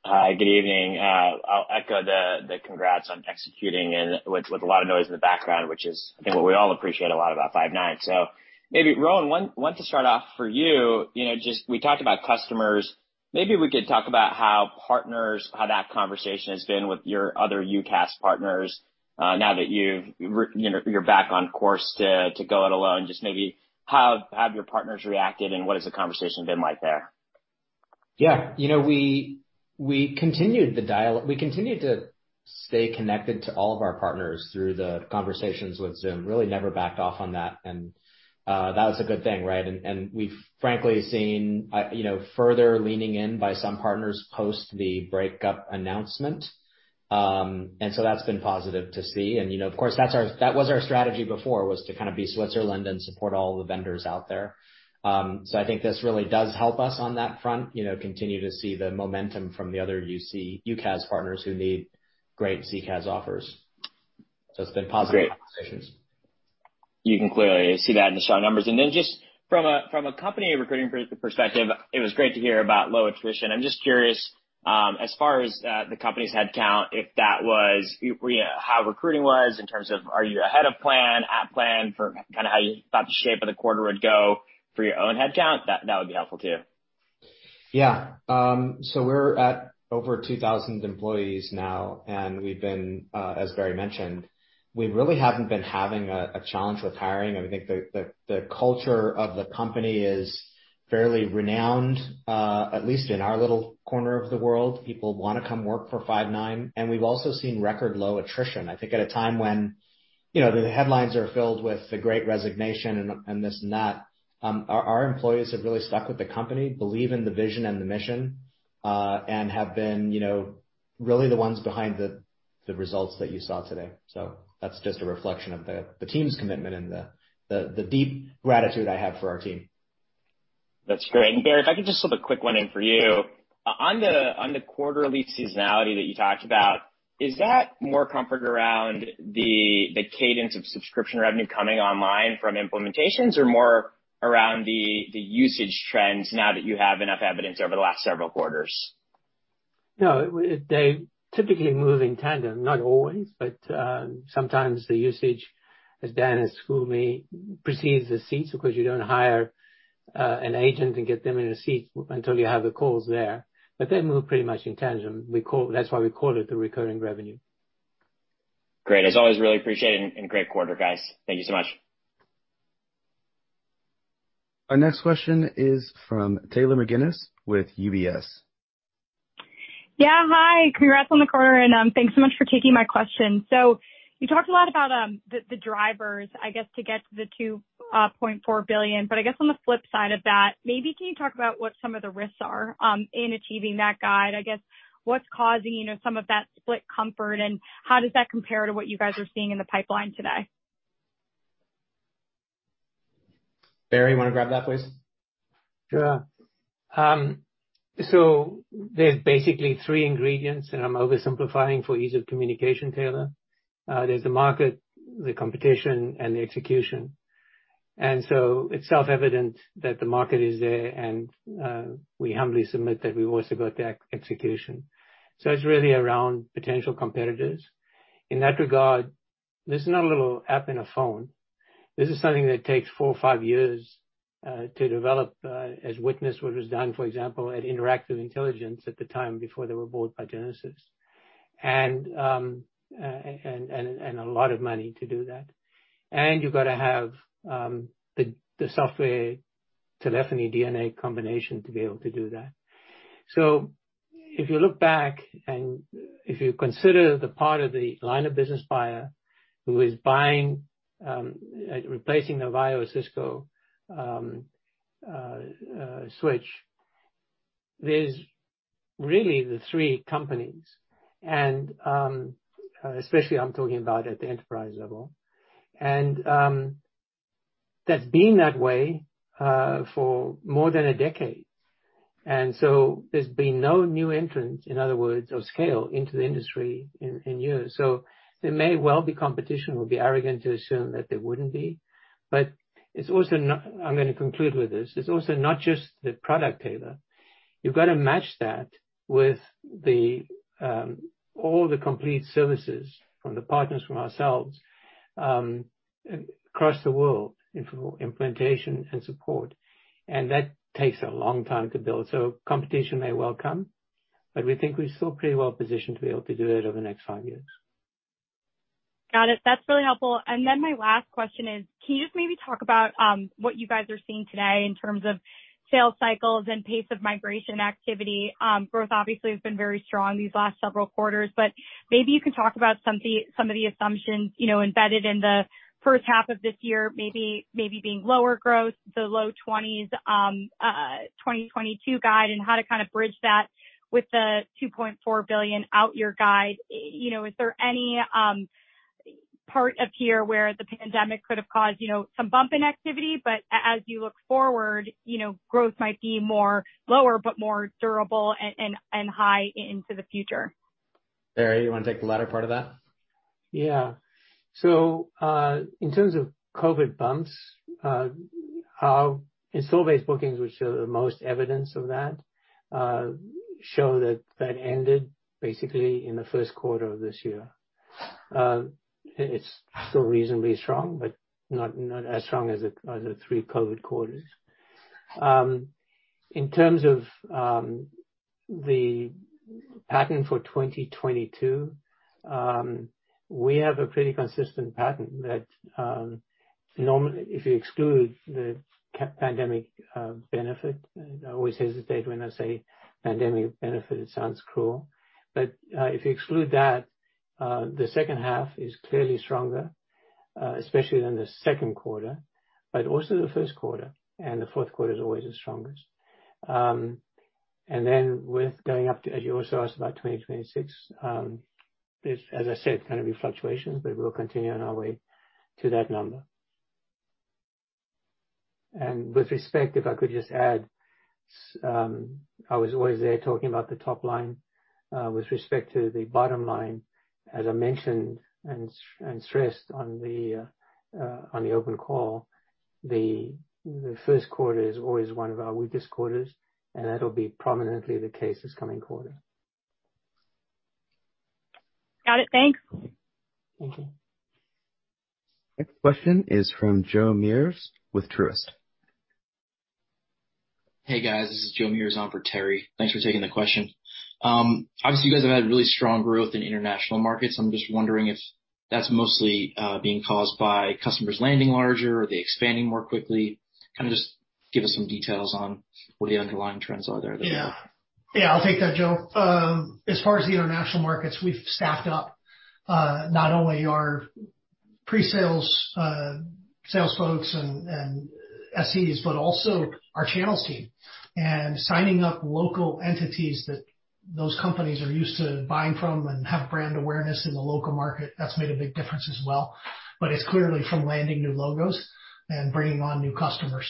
Hi, good evening. I'll echo the congrats on executing and with a lot of noise in the background, which is, I think, what we all appreciate a lot about Five9. Maybe, Rowan, I wanted to start off for you. You know, just we talked about customers. Maybe we could talk about how partners, how that conversation has been with your other UCaaS partners, now that you know, you're back on course to go it alone. Just maybe how have your partners reacted, and what has the conversation been like there? Yeah. You know, we continued to stay connected to all of our partners through the conversations with Zoom. Really never backed off on that. That was a good thing, right? We've frankly seen, you know, further leaning in by some partners post the breakup announcement. That's been positive to see. You know, of course, that was our strategy before, was to kind of be Switzerland and support all the vendors out there. I think this really does help us on that front, you know, continue to see the momentum from the other UCaaS partners who need great CCaaS offers. It's been positive conversations. Great. You can clearly see that in the strong numbers. Just from a company recruiting perspective, it was great to hear about low attrition. I'm just curious, as far as the company's headcount, if that was how recruiting was in terms of are you ahead of plan, at plan for kinda how you thought the shape of the quarter would go for your own headcount? That would be helpful too. Yeah. So we're at over 2,000 employees now, and we've been, as Barry mentioned, we really haven't been having a challenge with hiring. I think the culture of the company is fairly renowned, at least in our little corner of the world. People wanna come work for Five9, and we've also seen record low attrition. I think at a time when, you know, the headlines are filled with the great resignation and this and that, our employees have really stuck with the company, believe in the vision and the mission, and have been, you know, really the ones behind the results that you saw today. That's just a reflection of the team's commitment and the deep gratitude I have for our team. That's great. Barry, if I could just slip a quick one in for you. On the quarterly seasonality that you talked about, is that more comfort around the cadence of subscription revenue coming online from implementations or more around the usage trends now that you have enough evidence over the last several quarters? No, they typically move in tandem. Not always, but sometimes the usage, as Dan has schooled me, precedes the seats because you don't hire an agent and get them in a seat until you have the calls there. They move pretty much in tandem. That's why we call it the recurring revenue. Great. As always, I really appreciate it and great quarter, guys. Thank you so much. Our next question is from Taylor McGinnis with UBS. Yeah, hi. Congrats on the quarter, and thanks so much for taking my question. You talked a lot about the drivers, I guess, to get to the $2.4 billion. I guess on the flip side of that, maybe can you talk about what some of the risks are in achieving that guide? I guess what's causing, you know, some of that split comfort, and how does that compare to what you guys are seeing in the pipeline today? Barry, you wanna grab that, please? Sure. There's basically three ingredients, and I'm oversimplifying for ease of communication, Taylor. There's the market, the competition, and the execution. It's self-evident that the market is there, and we humbly submit that we've also got the execution. It's really around potential competitors. In that regard, this is not a little app in a phone. This is something that takes four or five years to develop, as witness what was done, for example, at Interactive Intelligence at the time before they were bought by Genesys, and a lot of money to do that. You've gotta have the software telephony DNA combination to be able to do that. If you look back and if you consider the part of the line of business buyer who is buying, replacing Avaya or Cisco switch, there's really the three companies and, especially I'm talking about at the enterprise level. That's been that way for more than a decade. There's been no new entrants, in other words, or scale into the industry in years. There may well be competition. It would be arrogant to assume that there wouldn't be. I'm gonna conclude with this. It's also not just the product, Taylor. You've gotta match that with all the complete services from the partners from ourselves across the world in implementation and support. That takes a long time to build. Competition may well come, but we think we're still pretty well positioned to be able to do that over the next five years. Got it. That's really helpful. Then my last question is, can you just maybe talk about what you guys are seeing today in terms of sales cycles and pace of migration activity? Growth obviously has been very strong these last several quarters, but maybe you can talk about some of the assumptions, you know, embedded in the first half of this year, maybe being lower growth, the low 20s%, 2022 guide, and how to kind of bridge that with the $2.4 billion out-year guide. You know, is there any part of here where the pandemic could have caused, you know, some bump in activity, but as you look forward, you know, growth might be more lower but more durable and higher into the future? Barry, you wanna take the latter part of that? In terms of COVID bumps, how installed-base bookings, which show the most evidence of that, show that that ended basically in the first quarter of this year. It's still reasonably strong, but not as strong as the three COVID quarters. In terms of the pattern for 2022, we have a pretty consistent pattern that normally if you exclude the pandemic benefit, and I always hesitate when I say pandemic benefit, it sounds cruel. If you exclude that, the second half is clearly stronger, especially in the second quarter, but also the first quarter, and the fourth quarter is always the strongest. with going up to, as you also asked about 2026, it's as I said gonna be fluctuations, but we'll continue on our way to that number. With respect, if I could just add, I was always there talking about the top line, with respect to the bottom line, as I mentioned and stressed on the open call, the first quarter is always one of our weakest quarters, and that'll be prominently the case this coming quarter. Got it. Thanks. Thank you. Next question is from Joe Meares with Truist. Hey, guys. This is Joe Meares on for Terry. Thanks for taking the question. Obviously, you guys have had really strong growth in international markets. I'm just wondering if that's mostly being caused by customers landing larger or are they expanding more quickly? Kind of just give us some details on what the underlying trends are there. Yeah, I'll take that, Joe. As far as the international markets, we've staffed up, not only our pre-sales, sales folks and SEs, but also our channels team. Signing up local entities that those companies are used to buying from and have brand awareness in the local market, that's made a big difference as well. It's clearly from landing new logos and bringing on new customers.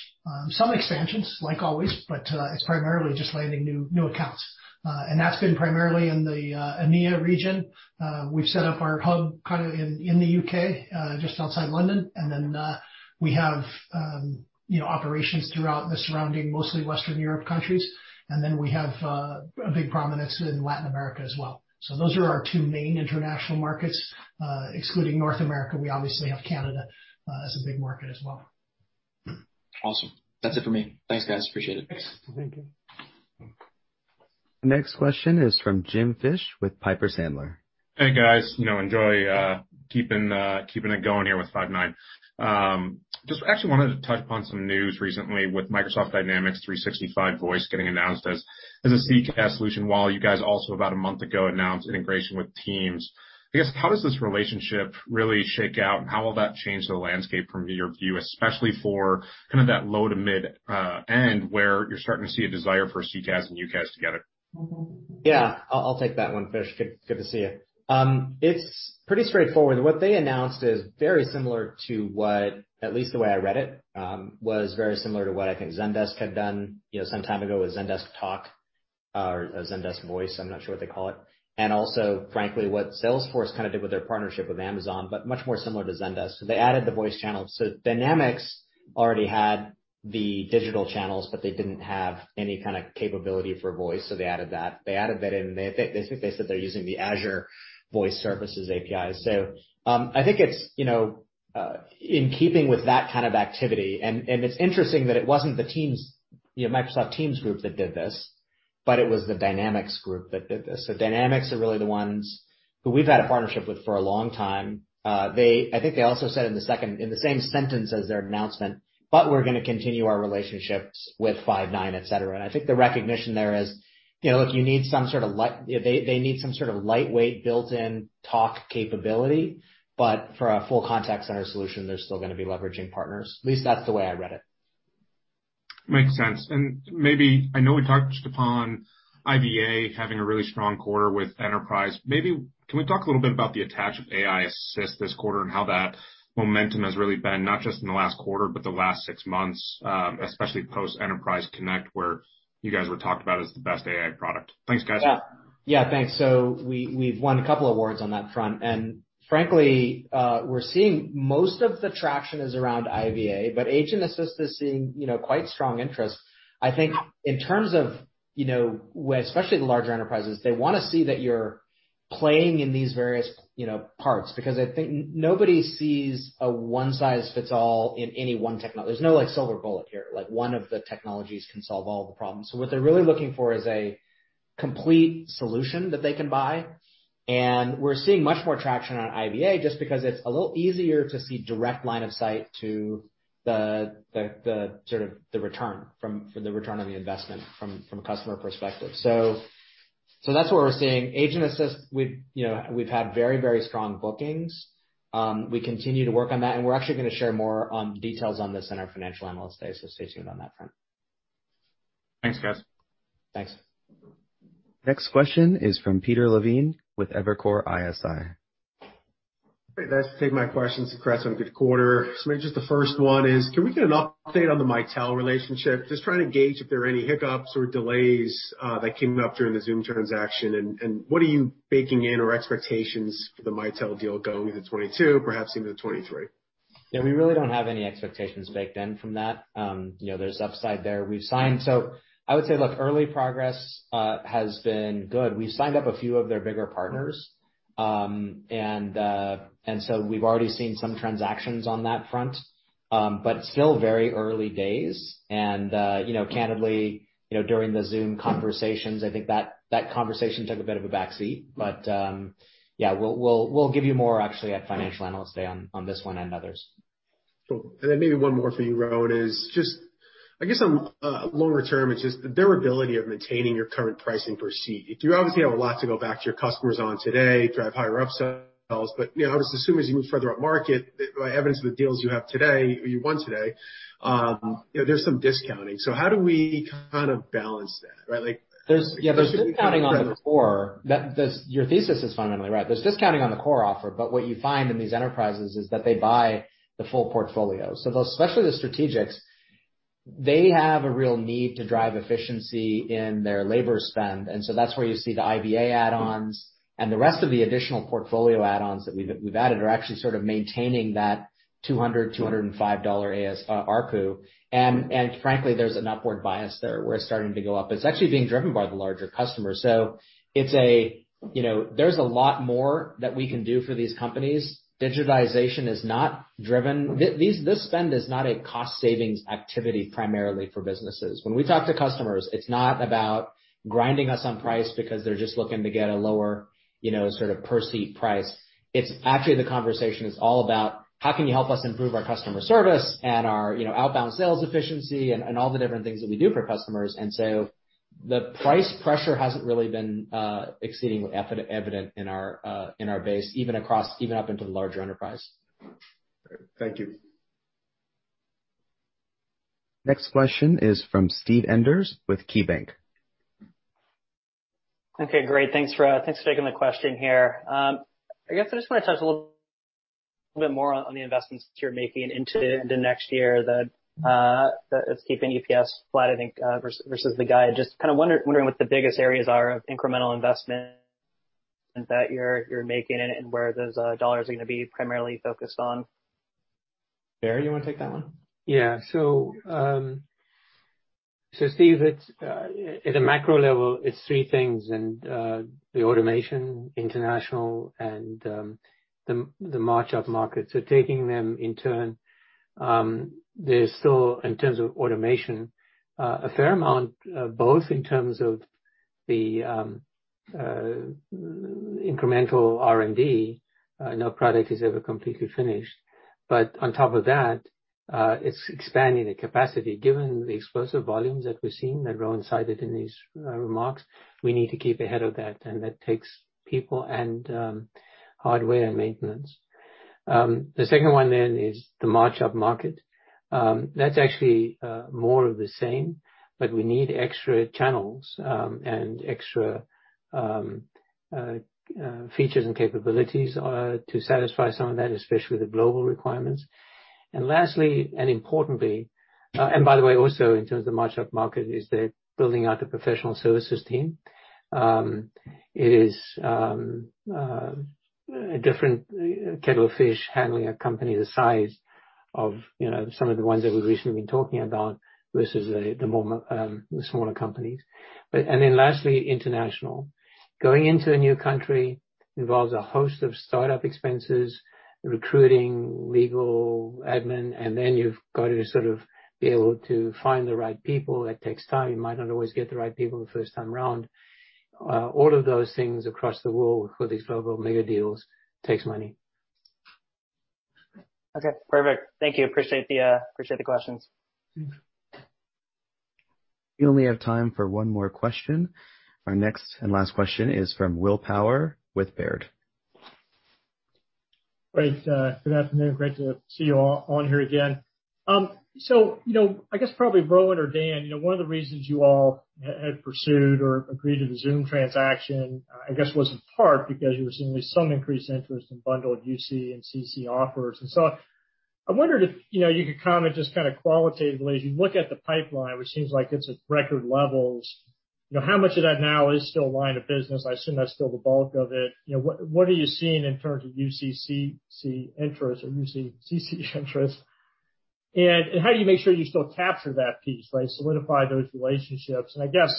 Some expansions, like always, but it's primarily just landing new accounts. That's been primarily in the EMEA region. We've set up our hub kinda in the U.K., just outside London. We have, you know, operations throughout the surrounding, mostly Western Europe countries. We have a big prominence in Latin America as well. Those are our two main international markets. Excluding North America, we obviously have Canada as a big market as well. Awesome. That's it for me. Thanks, guys. Appreciate it. Thanks. Thank you. Next question is from Jim Fish with Piper Sandler. Hey, guys. You know, enjoy keeping it going here with Five9. Just actually wanted to touch upon some news recently with Microsoft Dynamics 365 voice getting announced as a CCaaS solution, while you guys also about a month ago announced integration with Teams. I guess, how does this relationship really shake out, and how will that change the landscape from your view, especially for kind of that low to mid end, where you're starting to see a desire for CCaaS and UCaaS together? Yeah. I'll take that one, Fish. Good to see you. It's pretty straightforward. What they announced is very similar to what, at least the way I read it, was very similar to what I think Zendesk had done, you know, some time ago with Zendesk Talk or Zendesk Voice, I'm not sure what they call it, and also frankly, what Salesforce kinda did with their partnership with Amazon, but much more similar to Zendesk. They added the voice channel. Dynamics already had the digital channels, but they didn't have any kinda capability for voice, so they added that. They added that in. I think they said they're using the Azure Communication Services API. I think it's, you know, in keeping with that kind of activity, and it's interesting that it wasn't the Teams, you know, Microsoft Teams group that did this, but it was the Dynamics group that did this. The Dynamics are really the ones who we've had a partnership with for a long time. I think they also said in the same sentence as their announcement, "But we're gonna continue our relationships with Five9, et cetera." I think the recognition there is, you know, if you need some sort of They need some sort of lightweight built-in talk capability, but for a full contact center solution, they're still gonna be leveraging partners. At least that's the way I read it. Makes sense. Maybe, I know we touched upon IVA having a really strong quarter with enterprise. Maybe can we talk a little bit about the attach of AI Assist this quarter and how that momentum has really been, not just in the last quarter, but the last six months, especially post-Enterprise Connect, where you guys were talked about as the best AI product. Thanks, guys. Yeah, thanks. We've won a couple awards on that front. Frankly, we're seeing most of the traction around IVA, but Agent Assist is seeing quite strong interest. I think in terms of where especially the larger enterprises, they want to see that you're playing in these various parts, because I think nobody sees a one size fits all in any one. There's no like silver bullet here, like one of the technologies can solve all the problems. What they're really looking for is a Complete solution that they can buy. We're seeing much more traction on IVA just because it's a little easier to see direct line of sight to the return on the investment from a customer perspective. That's what we're seeing. Agent Assist, you know, we've had very strong bookings. We continue to work on that, and we're actually gonna share more details on this in our Financial Analyst Day, so stay tuned on that front. Thanks, guys. Thanks. Next question is from Peter Levine with Evercore ISI. Great. Thanks for taking my questions, Chris, on good quarter. Maybe just the first one is, can we get an update on the Mitel relationship? Just trying to gauge if there are any hiccups or delays that came up during the Zoom transaction and what are you baking in or expectations for the Mitel deal going into 2022, perhaps even 2023? Yeah, we really don't have any expectations baked in from that. You know, there's upside there. I would say, look, early progress has been good. We've signed up a few of their bigger partners, and so we've already seen some transactions on that front. Still very early days. You know, candidly, you know, during the Zoom conversations, I think that conversation took a bit of a back seat. Yeah, we'll give you more actually at Financial Analyst Day on this one and others. Cool. Then maybe one more for you, Rowan, is just I guess on longer term, it's just the durability of maintaining your current pricing per seat. You obviously have a lot to go back to your customers on today, drive higher upsells, but you know, obviously as soon as you move further up market, by evidence of the deals you have today or you won today, you know, there's some discounting. How do we kind of balance that, right? There's discounting on the core. Your thesis is fundamentally right. There's discounting on the core offer, but what you find in these enterprises is that they buy the full portfolio. Those, especially the strategics, they have a real need to drive efficiency in their labor spend, and that's where you see the IVA add-ons. The rest of the additional portfolio add-ons that we've added are actually sort of maintaining that $200-$205 ARPU. Frankly, there's an upward bias there where it's starting to go up. It's actually being driven by the larger customers. It's, you know, there's a lot more that we can do for these companies. Digitization is not driven. This spend is not a cost savings activity primarily for businesses. When we talk to customers, it's not about grinding us on price because they're just looking to get a lower, you know, sort of per seat price. It's actually the conversation is all about how can you help us improve our customer service and our, you know, outbound sales efficiency and all the different things that we do for customers. The price pressure hasn't really been exceedingly evident in our base, even across, even up into the larger enterprise. Thank you. Next question is from Steve Enders with KeyBanc. Okay, great. Thanks for taking my question here. I guess I just wanna touch a little bit more on the investments that you're making into the next year that is keeping EPS flat, I think, versus the guide. Just kinda wondering what the biggest areas are of incremental investment that you're making and where those dollars are gonna be primarily focused on. Barry, you wanna take that one? Steve, it's at a macro level, it's three things. The automation, international, and the march up market. Taking them in turn, there's still in terms of automation a fair amount both in terms of the incremental R&D, no product is ever completely finished. On top of that, it's expanding the capacity. Given the explosive volumes that we've seen, that Rowan cited in his remarks, we need to keep ahead of that, and that takes people and hardware and maintenance. The second one is the march up market. That's actually more of the same, but we need extra channels and extra features and capabilities to satisfy some of that, especially the global requirements. Lastly, and importantly, and by the way, also in terms of marching upmarket, is building out the professional services team. It is a different kettle of fish handling a company the size of, you know, some of the ones that we've recently been talking about versus the smaller companies. Lastly, international. Going into a new country involves a host of startup expenses, recruiting, legal, admin, and then you've got to sort of be able to find the right people. That takes time. You might not always get the right people the first time around. All of those things across the world for these global mega deals takes money. Okay, perfect. Thank you. Appreciate the questions. We only have time for one more question. Our next and last question is from Will Power with Baird. Great. Good afternoon. Great to see you all on here again. You know, I guess probably Rowan or Dan, you know, one of the reasons you all had pursued or agreed to the Zoom transaction, I guess was in part because you were seeing some increased interest in bundled UC and CC offers. I wondered if, you know, you could comment just kinda qualitatively, as you look at the pipeline, which seems like it's at record levels, you know, how much of that now is still line of business. I assume that's still the bulk of it. You know, what are you seeing in terms of UCC interest or UC CC interest? And how do you make sure you still capture that piece, right? Solidify those relationships. I guess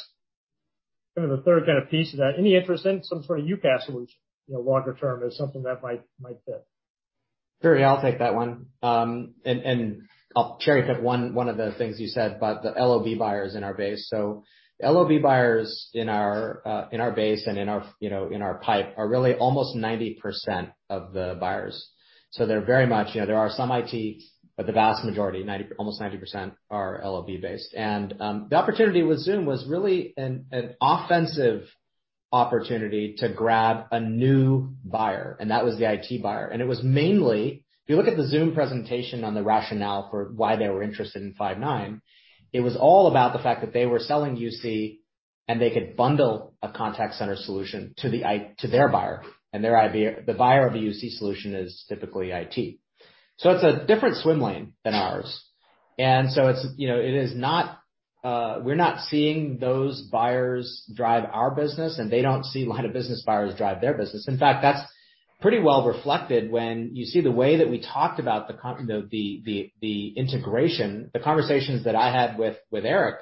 kind of the third kind of piece of that, any interest in some sort of UCaaS solution, you know, longer term as something that might fit? Barry, I'll take that one. I'll cherry-pick one of the things you said about the LoB buyers in our base. LoB buyers in our, you know, in our pipe are really almost 90% of the buyers. They're very much, you know, there are some IT, but the vast majority, almost 90% are LoB-based. The opportunity with Zoom was really an offensive opportunity to grab a new buyer, and that was the IT buyer. It was mainly. If you look at the Zoom presentation on the rationale for why they were interested in Five9, it was all about the fact that they were selling UC, and they could bundle a contact center solution to their buyer and their IT buyer. The buyer of the UC solution is typically IT. It's a different swim lane than ours. We're not seeing those buyers drive our business, and they don't see line of business buyers drive their business. In fact, that's pretty well reflected when you see the way that we talked about the integration. The conversations that I had with Eric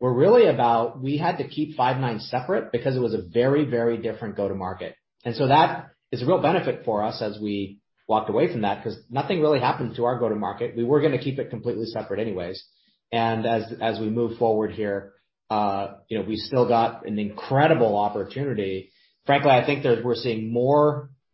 were really about we had to keep Five9 separate because it was a very, very different go-to-market. That is a real benefit for us as we walked away from that 'cause nothing really happened to our go-to-market. We were gonna keep it completely separate anyways. As we move forward here, we still got an incredible opportunity. Frankly, I think we're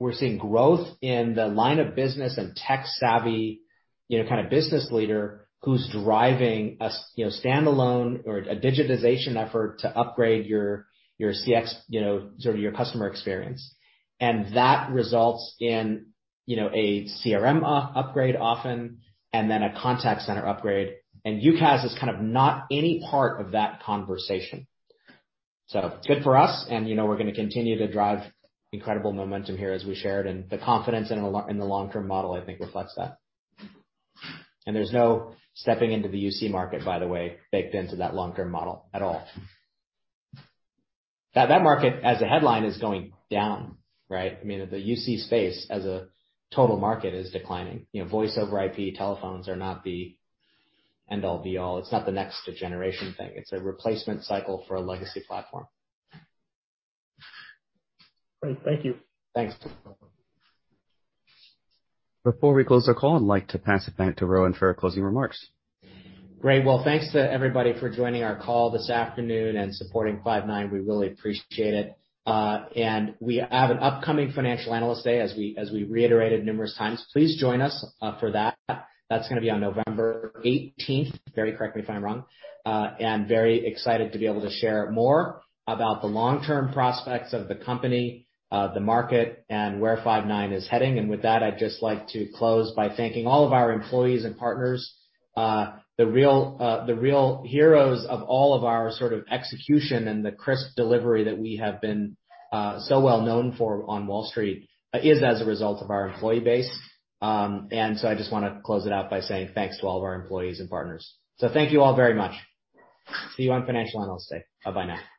seeing growth in the line of business and tech-savvy, you know, kind of business leader who's driving a standalone or a digitization effort to upgrade your CX, you know, sort of your customer experience. That results in, you know, a CRM upgrade often and then a contact center upgrade. UCaaS is kind of not any part of that conversation. So good for us. We're gonna continue to drive incredible momentum here as we shared, and the confidence in the long-term model, I think reflects that. There's no stepping into the UC market, by the way, baked into that long-term model at all. That market, as a headline, is going down, right? I mean, the UC space as a total market is declining. You know, voice over IP telephones are not the end-all be-all. It's not the next generation thing. It's a replacement cycle for a legacy platform. Great. Thank you. Thanks. Before we close the call, I'd like to pass it back to Rowan for our closing remarks. Great. Well, thanks to everybody for joining our call this afternoon and supporting Five9. We really appreciate it. We have an upcoming Financial Analyst Day as we reiterated numerous times. Please join us for that. That's gonna be on November 18th. Barry, correct me if I'm wrong. Very excited to be able to share more about the long-term prospects of the company, the market, and where Five9 is heading. With that, I'd just like to close by thanking all of our employees and partners. The real heroes of all of our sort of execution and the crisp delivery that we have been so well-known for on Wall Street is as a result of our employee base. I just wanna close it out by saying thanks to all of our employees and partners. Thank you all very much. See you on Financial Analyst Day. Bye-bye now.